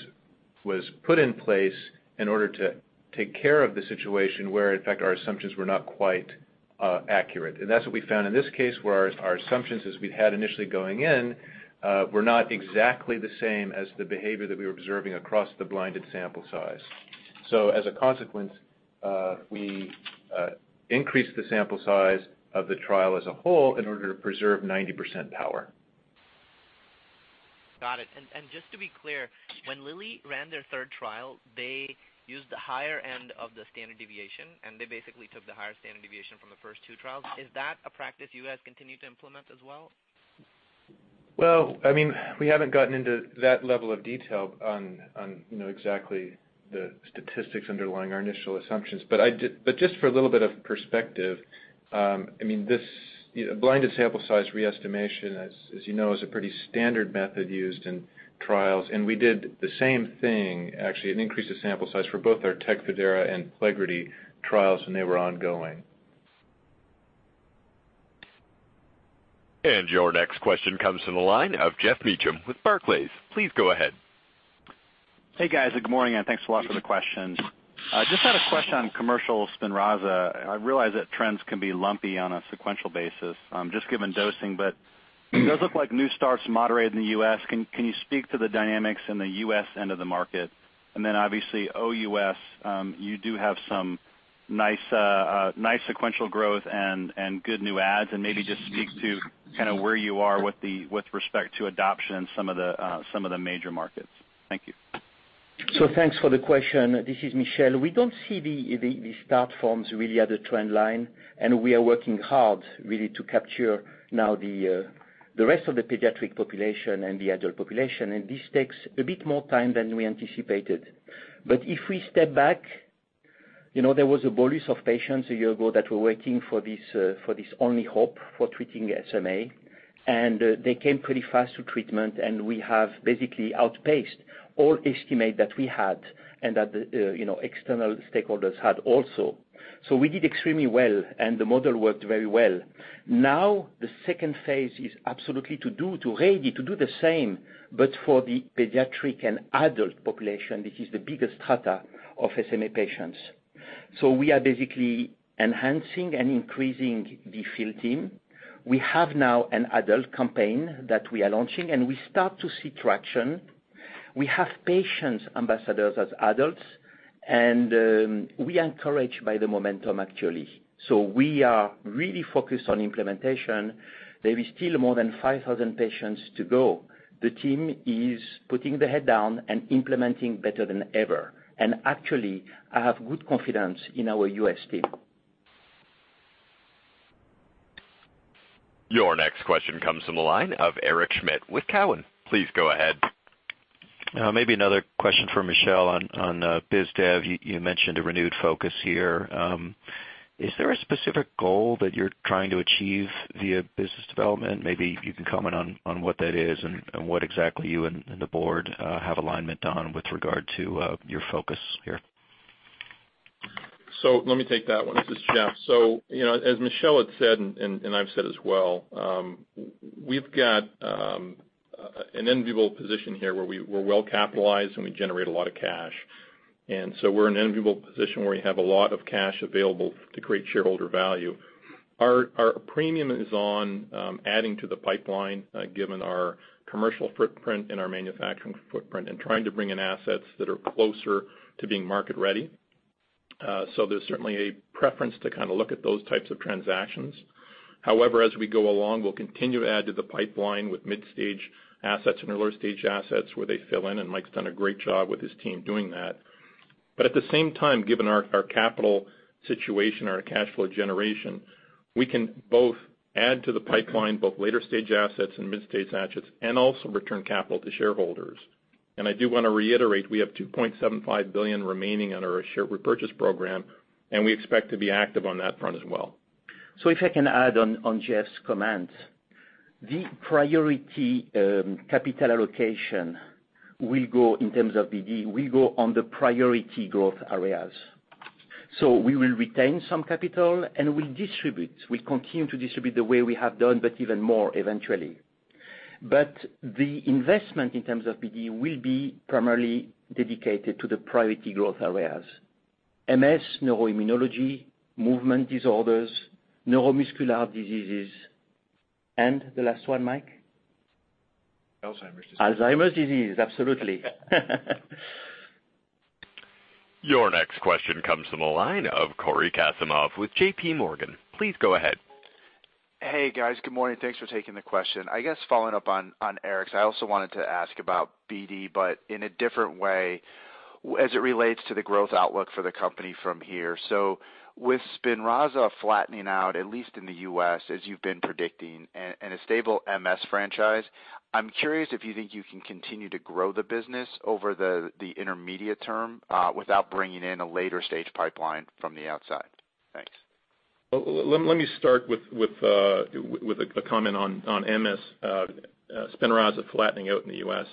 put in place in order to take care of the situation where, in fact, our assumptions were not quite accurate. That's what we found in this case where our assumptions as we'd had initially going in were not exactly the same as the behavior that we were observing across the blinded sample size. As a consequence, we increased the sample size of the trial as a whole in order to preserve 90% power. Got it. Just to be clear, when Lilly ran their third trial, they used the higher end of the standard deviation, and they basically took the higher standard deviation from the first two trials. Is that a practice you guys continue to implement as well? Well, I mean, we haven't gotten into that level of detail on, you know, exactly the statistics underlying our initial assumptions. Just for a little bit of perspective, I mean, this blinded sample size re-estimation, as you know, is a pretty standard method used in trials. We did the same thing, actually, an increase of sample size for both our TECFIDERA and PLEGRIDY trials when they were ongoing. Your next question comes from the line of Geoff Meacham with Barclays. Please go ahead. Hey, guys. Good morning, and thanks a lot for the questions. I just had a question on commercial SPINRAZA. I realize that trends can be lumpy on a sequential basis, just given dosing. It does look like new starts moderated in the U.S. Can you speak to the dynamics in the U.S. end of the market? Obviously, OUS, you do have some nice sequential growth and good new adds. Maybe just speak to kind of where you are with respect to adoption in some of the major markets. Thank you. Thanks for the question. This is Michel. We don't see the start forms really at the trend line, and we are working hard really to capture now the rest of the pediatric population and the adult population, and this takes a bit more time than we anticipated. If we step back, you know, there was a bolus of patients a year ago that were waiting for this only hope for treating SMA. They came pretty fast to treatment, and we have basically outpaced all estimate that we had and that the, you know, external stakeholders had also. We did extremely well, and the model worked very well. Now, the second phase is absolutely to do the same, but for the pediatric and adult population. This is the biggest strata of SMA patients. We are basically enhancing and increasing the field team. We have now an adult campaign that we are launching, and we start to see traction. We have patients ambassadors as adults, and we are encouraged by the momentum actually. We are really focused on implementation. There is still more than 5,000 patients to go. The team is putting their head down and implementing better than ever. Actually, I have good confidence in our U.S. team. Your next question comes from the line of Eric Schmidt with Cowen. Please go ahead. Maybe another question for Michel on biz dev. You mentioned a renewed focus here. Is there a specific goal that you're trying to achieve via business development? Maybe you can comment on what that is and what exactly you and the board have alignment on with regard to your focus here. Let me take that one. This is Jeff. You know, as Michel had said, and I've said as well, we've got an enviable position here where we're well-capitalized, and we generate a lot of cash. We're in an enviable position where we have a lot of cash available to create shareholder value. Our premium is on adding to the pipeline, given our commercial footprint and our manufacturing footprint and trying to bring in assets that are closer to being market ready. There's certainly a preference to kinda look at those types of transactions. However, as we go along, we'll continue to add to the pipeline with mid-stage assets and earlier stage assets where they fill in, and Mike's done a great job with his team doing that. At the same time, given our capital situation, our cash flow generation, we can both add to the pipeline, both later stage assets and mid-stage assets, and also return capital to shareholders. I do want to reiterate, we have $2.75 billion remaining on our share repurchase program, and we expect to be active on that front as well. If I can add on Jeff Capello's comments. The priority capital allocation will go in terms of BD, will go on the priority growth areas. We will retain some capital, and we'll distribute. We'll continue to distribute the way we have done, but even more eventually. The investment in terms of BD will be primarily dedicated to the priority growth areas. MS, neuroimmunology, movement disorders, neuromuscular diseases, and the last one, Mike? Alzheimer's disease. Alzheimer's disease, absolutely. Your next question comes from the line of Cory Kasimov with JPMorgan. Please go ahead. Hey, guys. Good morning. Thanks for taking the question. I guess following up on Eric's, I also wanted to ask about BD, but in a different way as it relates to the growth outlook for the company from here. With SPINRAZA flattening out, at least in the U.S., as you've been predicting and a stable MS franchise, I'm curious if you think you can continue to grow the business over the intermediate term without bringing in a later stage pipeline from the outside. Thanks. Well, let me start with a comment on MS, SPINRAZA flattening out in the U.S.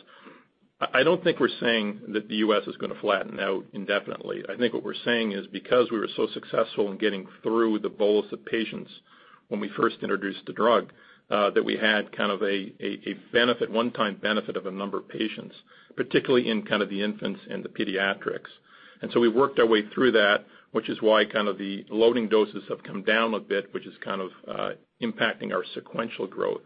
I don't think we're saying that the U.S. is gonna flatten out indefinitely. I think what we're saying is because we were so successful in getting through the bolus of patients when we first introduced the drug, that we had kind of a benefit, one-time benefit of a number of patients, particularly in kind of the infants and the pediatrics. We worked our way through that, which is why kind of the loading doses have come down a bit, which is kind of impacting our sequential growth.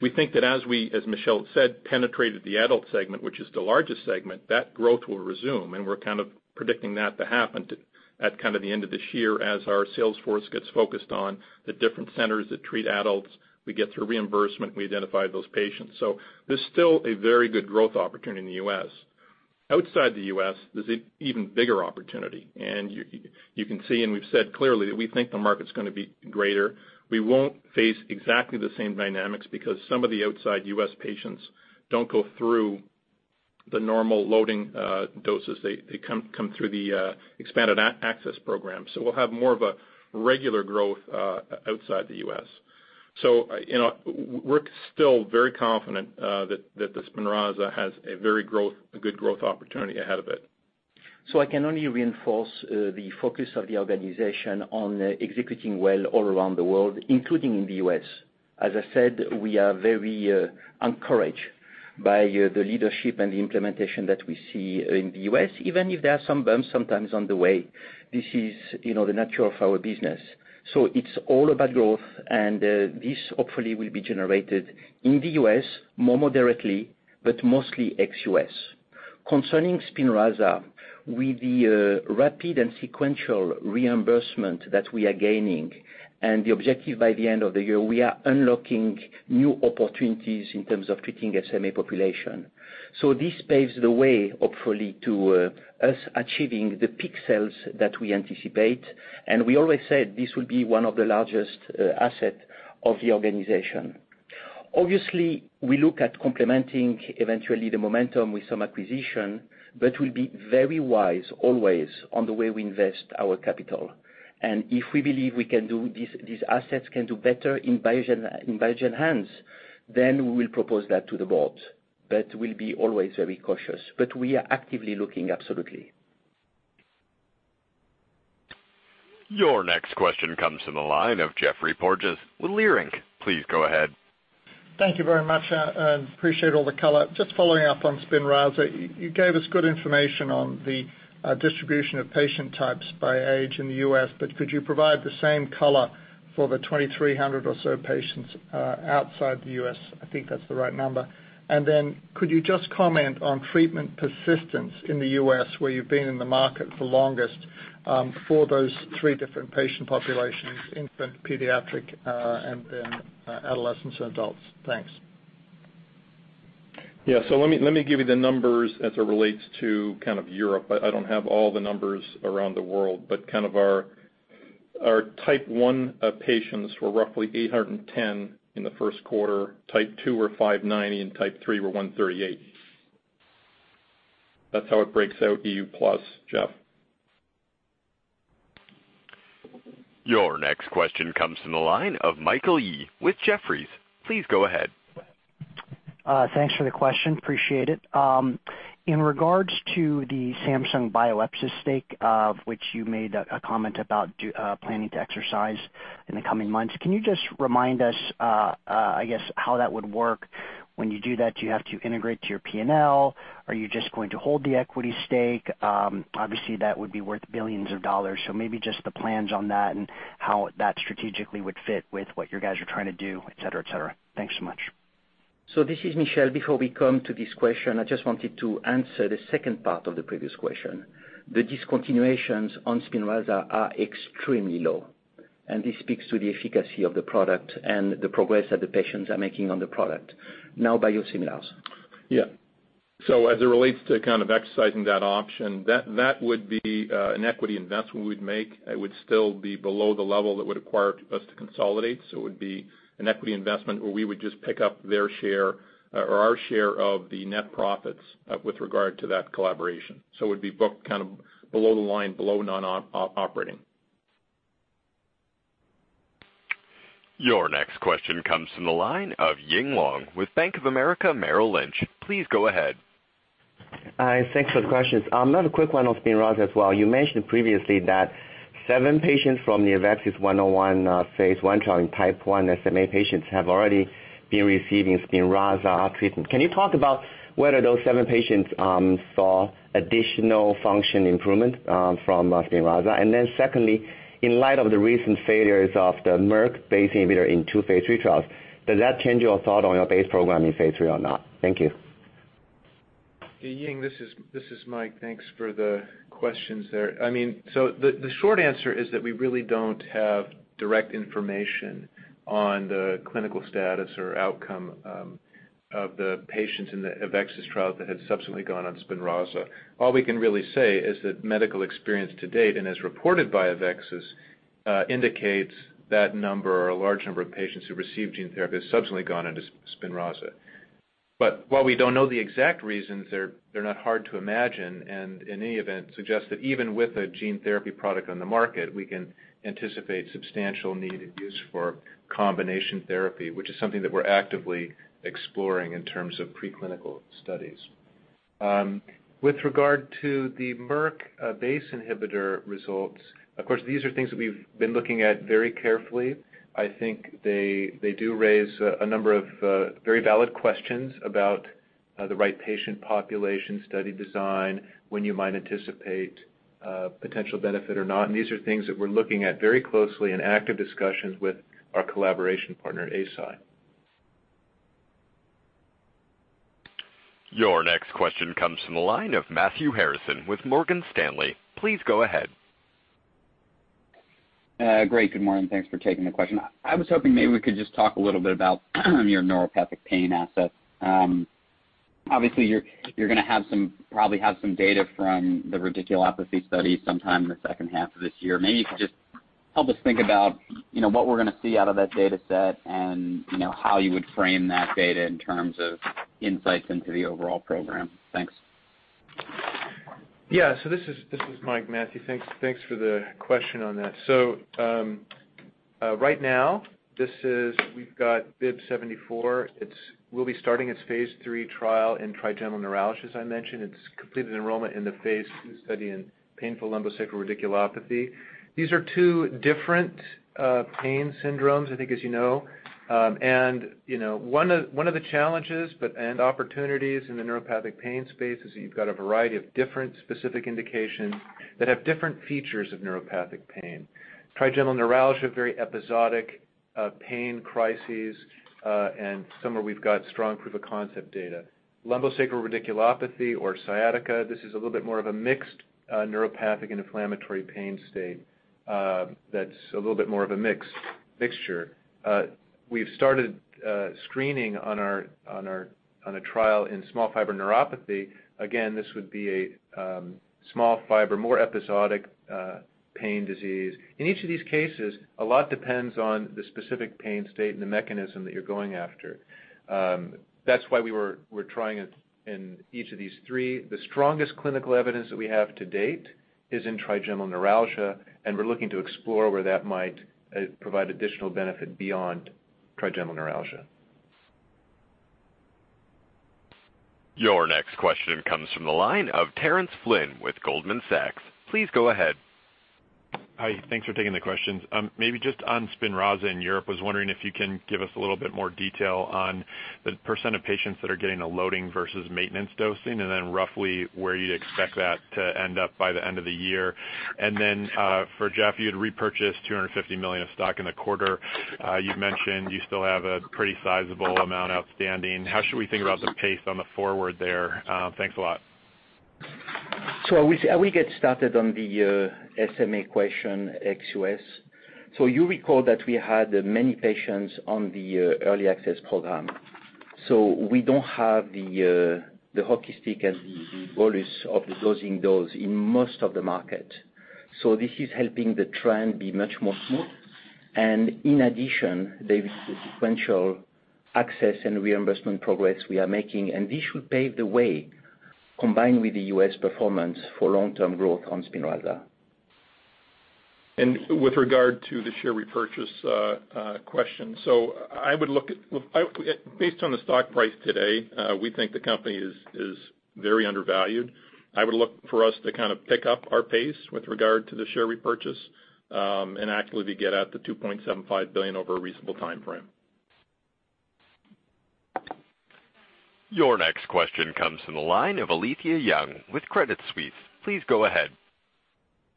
We think that as we, as Michel said, penetrated the adult segment, which is the largest segment, that growth will resume, and we're kind of predicting that to happen at kind of the end of this year as our sales force gets focused on the different centers that treat adults. We get through reimbursement, we identify those patients. There's still a very good growth opportunity in the U.S. Outside the U.S., there's an even bigger opportunity. You can see and we've said clearly that we think the market's gonna be greater. We won't face exactly the same dynamics because some of the outside U.S. patients don't go through the normal loading doses. They come through the expanded access program. We'll have more of a regular growth outside the U.S. You know, we're still very confident that the SPINRAZA has a very growth, a good growth opportunity ahead of it. I can only reinforce the focus of the organization on executing well all around the world, including in the U.S. As I said, we are very encouraged by the leadership and the implementation that we see in the U.S., even if there are some bumps sometimes on the way. This is, you know, the nature of our business. It's all about growth, and this hopefully will be generated in the U.S. more moderately, but mostly ex-U.S. Concerning SPINRAZA, with the rapid and sequential reimbursement that we are gaining and the objective by the end of the year, we are unlocking new opportunities in terms of treating SMA population. This paves the way, hopefully, to us achieving the peak sales that we anticipate. We always said this will be one of the largest asset of the organization. We look at complementing eventually the momentum with some acquisition, but we'll be very wise always on the way we invest our capital. If we believe we can do this, these assets can do better in Biogen, in Biogen hands, then we will propose that to the board. We'll be always very cautious. We are actively looking, absolutely. Your next question comes from the line of Geoffrey Porges with Leerink. Please go ahead. Thank you very much. I appreciate all the color. Just following up on SPINRAZA. You gave us good information on the distribution of patient types by age in the U.S., could you provide the same color for the 2,300 or so patients outside the U.S.? I think that's the right number. Could you just comment on treatment persistence in the U.S., where you've been in the market the longest, for those three different patient populations, infant, pediatric, and then adolescents and adults? Thanks. Yeah. Let me give you the numbers as it relates to kind of Europe. I don't have all the numbers around the world, but kind of our type one patients were roughly 810 in the first quarter, type two were 590, and type three were 138. That's how it breaks out EU plus, Jeff. Your next question comes from the line of Michael Yee with Jefferies. Please go ahead. Thanks for the question. Appreciate it. In regards to the Samsung Bioepis stake, of which you made a comment about planning to exercise in the coming months, can you just remind us, I guess, how that would work when you do that? Do you have to integrate to your P&L? Are you just going to hold the equity stake? Obviously, that would be worth billions of dollars, so maybe just the plans on that and how that strategically would fit with what your guys are trying to do, et cetera, et cetera. Thanks so much. This is Michel. Before we come to this question, I just wanted to answer the second part of the previous question. The discontinuations on SPINRAZA are extremely low, and this speaks to the efficacy of the product and the progress that the patients are making on the product. Now, BioSim, Lars. Yeah. As it relates to kind of exercising that option, that would be an equity investment we'd make. It would still be below the level that would acquire us to consolidate, so it would be an equity investment where we would just pick up their share or our share of the net profits with regard to that collaboration. It would be booked kind of below the line, below non-operating. Your next question comes from the line of Ying Huang with Bank of America Merrill Lynch. Please go ahead. Thanks for the questions. Another quick one on SPINRAZA as well. You mentioned previously that seven patients from the AveXis 101 phase I trial in type one SMA patients have already been receiving SPINRAZA treatment. Can you talk about whether those seven patients saw additional function improvement from SPINRAZA? Secondly, in light of the recent failures of the Merck BACE inhibitor in two phase III trials, does that change your thought on your BACE program in phase III or not? Thank you. Hey, Ying, this is Mike. Thanks for the questions there. The short answer is that we really don't have direct information on the clinical status or outcome of the patients in the AveXis trial that had subsequently gone on SPINRAZA. All we can really say is that medical experience to date, and as reported by AveXis, indicates that number or a large number of patients who received gene therapy have subsequently gone on to SPINRAZA. While we don't know the exact reasons, they're not hard to imagine, and in any event, suggest that even with a gene therapy product on the market, we can anticipate substantial need and use for combination therapy, which is something that we're actively exploring in terms of preclinical studies. With regard to the Merck BACE inhibitor results, of course, these are things that we've been looking at very carefully. I think they do raise a number of very valid questions about the right patient population study design, when you might anticipate potential benefit or not. These are things that we're looking at very closely in active discussions with our collaboration partner, Eisai. Your next question comes from the line of Matthew Harrison with Morgan Stanley. Please go ahead. Great. Good morning. Thanks for taking the question. I was hoping maybe we could just talk a little bit about your neuropathic pain assets. Obviously, you're probably have some data from the radiculopathy study sometime in the H2 of this year. Maybe you could just help us think about, you know, what we're gonna see out of that data set and, you know, how you would frame that data in terms of insights into the overall program. Thanks. This is Mike, Matthew. Thanks for the question on that. Right now we've got BIIB074. We'll be starting its phase III trial in trigeminal neuralgia, as I mentioned. It's completed enrollment in the phase II study in painful lumbosacral radiculopathy. These are two different pain syndromes, I think as you know. One of the challenges and opportunities in the neuropathic pain space is that you've got a variety of different specific indications that have different features of neuropathic pain. Trigeminal neuralgia, very episodic pain crises, somewhere we've got strong proof of concept data. Lumbosacral radiculopathy or sciatica, this is a little bit more of a mixed neuropathic and inflammatory pain state, that's a little bit more of a mixture. We've started screening on a trial in small fiber neuropathy. Again, this would be a small fiber, more episodic, pain disease. In each of these cases, a lot depends on the specific pain state and the mechanism that you're going after. That's why we're trying it in each of these three. The strongest clinical evidence that we have to date is in trigeminal neuralgia, and we're looking to explore where that might provide additional benefit beyond trigeminal neuralgia. Your next question comes from the line of Terence Flynn with Goldman Sachs. Please go ahead. Hi. Thanks for taking the questions. Maybe just on SPINRAZA in Europe, was wondering if you can give us a little bit more detail on the % of patients that are getting a loading versus maintenance dosing, and then roughly where you'd expect that to end up by the end of the year. For Jeff, you had repurchased $250 million of stock in the quarter. You've mentioned you still have a pretty sizable amount outstanding. How should we think about the pace on the forward there? Thanks a lot. I will get started on the SMA question, ex U.S. You recall that we had many patients on the early access program. We don't have the hockey stick and the volumes of dosing those in most of the market. This is helping the trend be much more smooth. In addition, there is the sequential access and reimbursement progress we are making, and this should pave the way combined with the U.S. performance for long-term growth on SPINRAZA. With regard to the share repurchase question. I would look at based on the stock price today, we think the company is very undervalued. I would look for us to kind of pick up our pace with regard to the share repurchase, and actually to get at the $2.75 billion over a reasonable timeframe. Your next question comes from the line of Alethia Young with Credit Suisse. Please go ahead.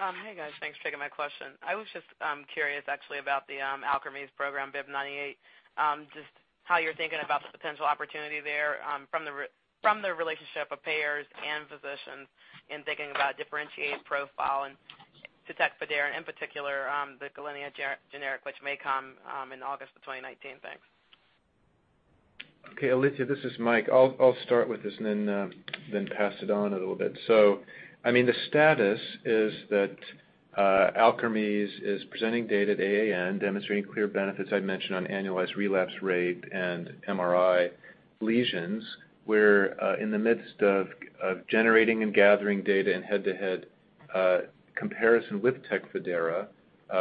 Hi, guys. Thanks for taking my question. I was just curious actually about the Alkermes program, BIIB098. Just how you're thinking about the potential opportunity there, from the relationship of payers and physicians in thinking about differentiated profile and to TECFIDERA, in particular, the Gilenya Generic, which may come in August of 2019. Thanks. Okay, Alethia, this is Mike. I'll start with this and then pass it on a little bit. I mean, the status is that Alkermes is presenting data at AAN, demonstrating clear benefits I'd mentioned on annualized relapse rate and MRI lesions. We're in the midst of generating and gathering data in head-to-head comparison with TECFIDERA,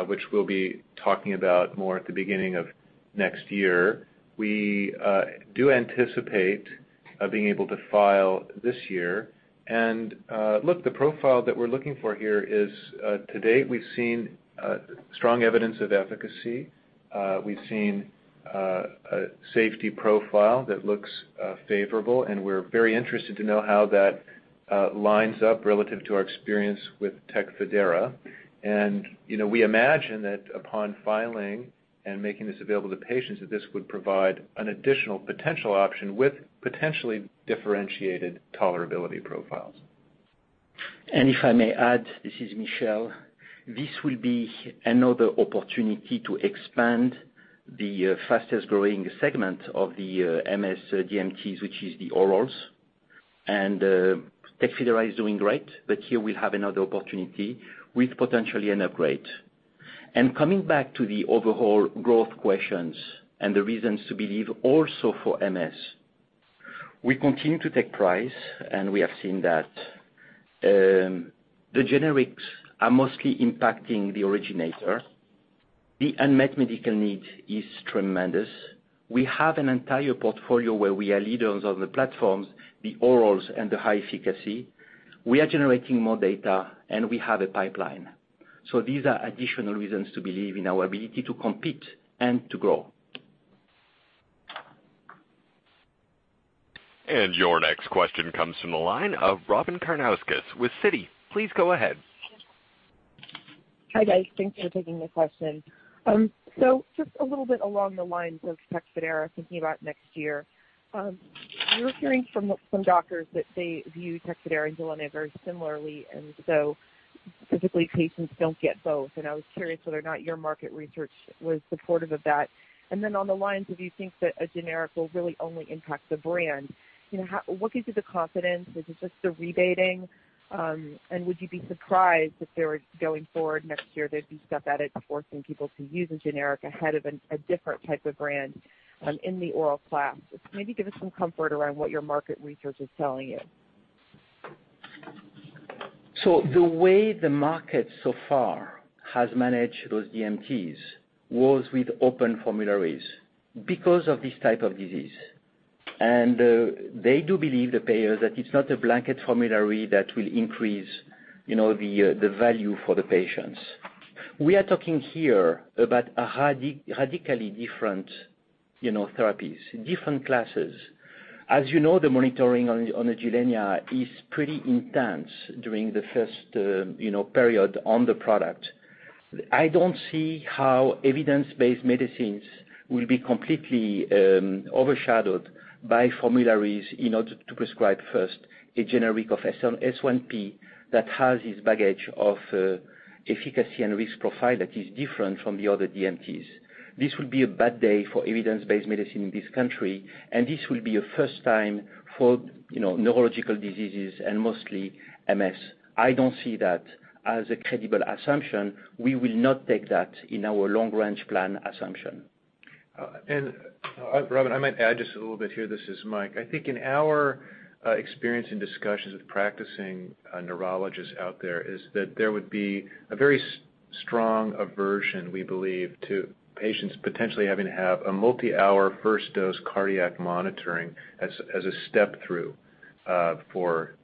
which we'll be talking about more at the beginning of next year. We do anticipate being able to file this year. Look, the profile that we're looking for here is to date, we've seen strong evidence of efficacy. We've seen a safety profile that looks favorable, and we're very interested to know how that lines up relative to our experience with TECFIDERA. You know, we imagine that upon filing and making this available to patients, that this would provide an additional potential option with potentially differentiated tolerability profiles. If I may add, this is Michel, this will be another opportunity to expand the fastest-growing segment of the MS DMTs, which is the orals. TECFIDERA is doing great, but here we have another opportunity with potentially an upgrade. Coming back to the overall growth questions and the reasons to believe also for MS, we continue to take price, and we have seen that the generics are mostly impacting the originator. The unmet medical need is tremendous. We have an entire portfolio where we are leaders on the platforms, the orals, and the high efficacy. We are generating more data, and we have a pipeline. These are additional reasons to believe in our ability to compete and to grow. Your next question comes from the line of Robyn Karnauskas with Citi. Please go ahead. Hi, guys. Thanks for taking the question. Just a little bit along the lines of TECFIDERA, thinking about next year. We're hearing from doctors that they view TECFIDERA and gilenya very similarly, typically patients don't get both. I was curious whether or not your market research was supportive of that. On the lines of you think that a generic will really only impact the brand, you know, what gives you the confidence? Is it just the rebating? Would you be surprised if there was, going forward next year, there'd be stuff added forcing people to use a generic ahead of a different type of brand in the oral class? Just maybe give us some comfort around what your market research is telling you. The way the market so far has managed those DMTs was with open formularies because of this type of disease. They do believe, the payers, that it's not a blanket formulary that will increase, you know, the value for the patients. We are talking here about a radically different, you know, therapies, different classes. As you know, the monitoring on the gilenya is pretty intense during the first, you know, period on the product. I don't see how evidence-based medicines will be completely overshadowed by formularies in order to prescribe first a generic of S1P that has its baggage of efficacy and risk profile that is different from the other DMTs. This will be a bad day for evidence-based medicine in this country, and this will be a first time for, you know, neurological diseases and mostly MS. I don't see that as a credible assumption. We will not take that in our long-range plan assumption. Robyn, I might add just a little bit here. This is Mike. I think in our experience in discussions with practicing neurologists out there is that there would be a. Strong aversion, we believe, to patients potentially having to have a multi-hour first dose cardiac monitoring as a step through for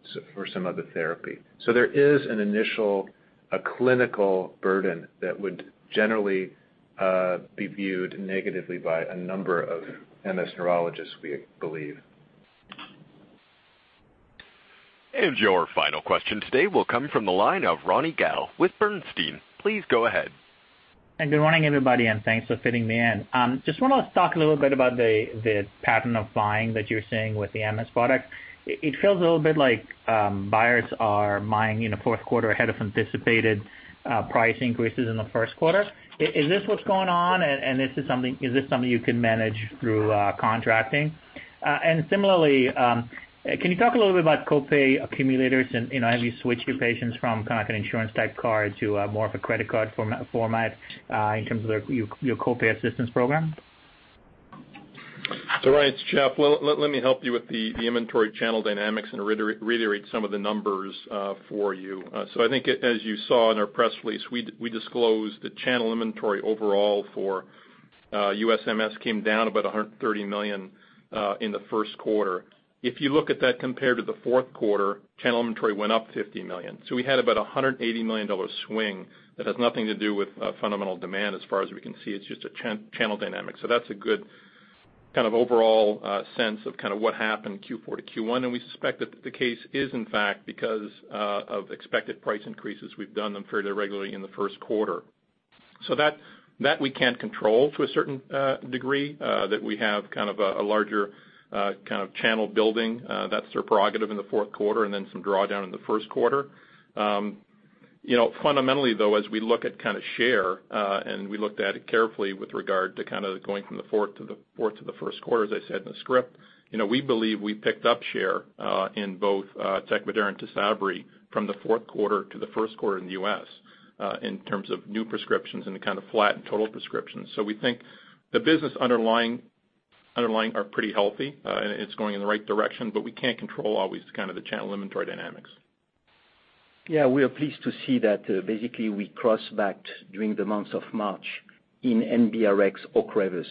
some of the therapy. There is an initial, a clinical burden that would generally be viewed negatively by a number of MS neurologists, we believe. Your final question today will come from the line of Ronny Gal with Bernstein. Please go ahead. Good morning, everybody, and thanks for fitting me in. Just wanna talk a little bit about the pattern of buying that you're seeing with the MS product. It, it feels a little bit like, buyers are buying in a fourth quarter ahead of anticipated, price increases in the first quarter. Is this what's going on? Is this something you can manage through contracting? Similarly, can you talk a little bit about co-pay accumulators and, you know, have you switched your patients from kind of an insurance-type card to more of a credit card format in terms of your co-pay assistance program? Ronny, it's Jeffrey. Let me help you with the inventory channel dynamics and reiterate some of the numbers for you. As you saw in our press release, we disclosed the channel inventory overall for U.S. MS came down about $130 million in the first quarter. If you look at that compared to the fourth quarter, channel inventory went up $50 million. We had about a $180 million dollar swing that has nothing to do with fundamental demand as far as we can see. It's just a channel dynamic. That's a good kind of overall sense of kinda what happened Q4 -Q1. We suspect that the case is in fact because of expected price increases. We've done them fairly regularly in the first quarter. That we can control to a certain degree that we have kind of a larger kind of channel building. That's their prerogative in the fourth quarter then some drawdown in the first quarter. You know, fundamentally though, as we look at kinda share, and we looked at it carefully with regard to kinda going from the fourth to the first quarter as I said in the script, you know, we believe we picked up share in both TECFIDERA and TYSABRI from the fourth quarter to the first quarter in the U.S. in terms of new prescriptions the kind of flat and total prescriptions. We think the business underlying are pretty healthy. It's going in the right direction, but we can't control always kind of the channel inventory dynamics. Yeah, we are pleased to see that basically we crossed back during the months of March in NBRX OCREVUS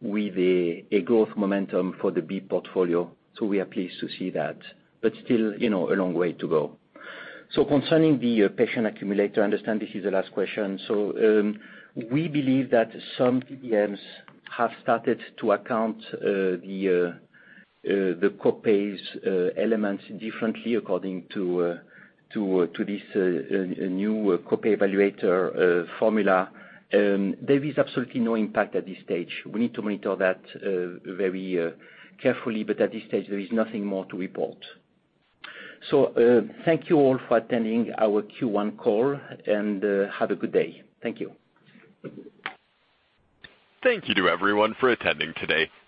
with a growth momentum for the B portfolio. We are pleased to see that, but still, you know, a long way to go. Concerning the patient accumulator, I understand this is the last question. We believe that some PBMs have started to account the co-pays elements differently according to this new co-pay evaluator formula. There is absolutely no impact at this stage. We need to monitor that very carefully, but at this stage there is nothing more to report. Thank you all for attending our Q1 call and have a good day. Thank you. Thank you to everyone for attending today.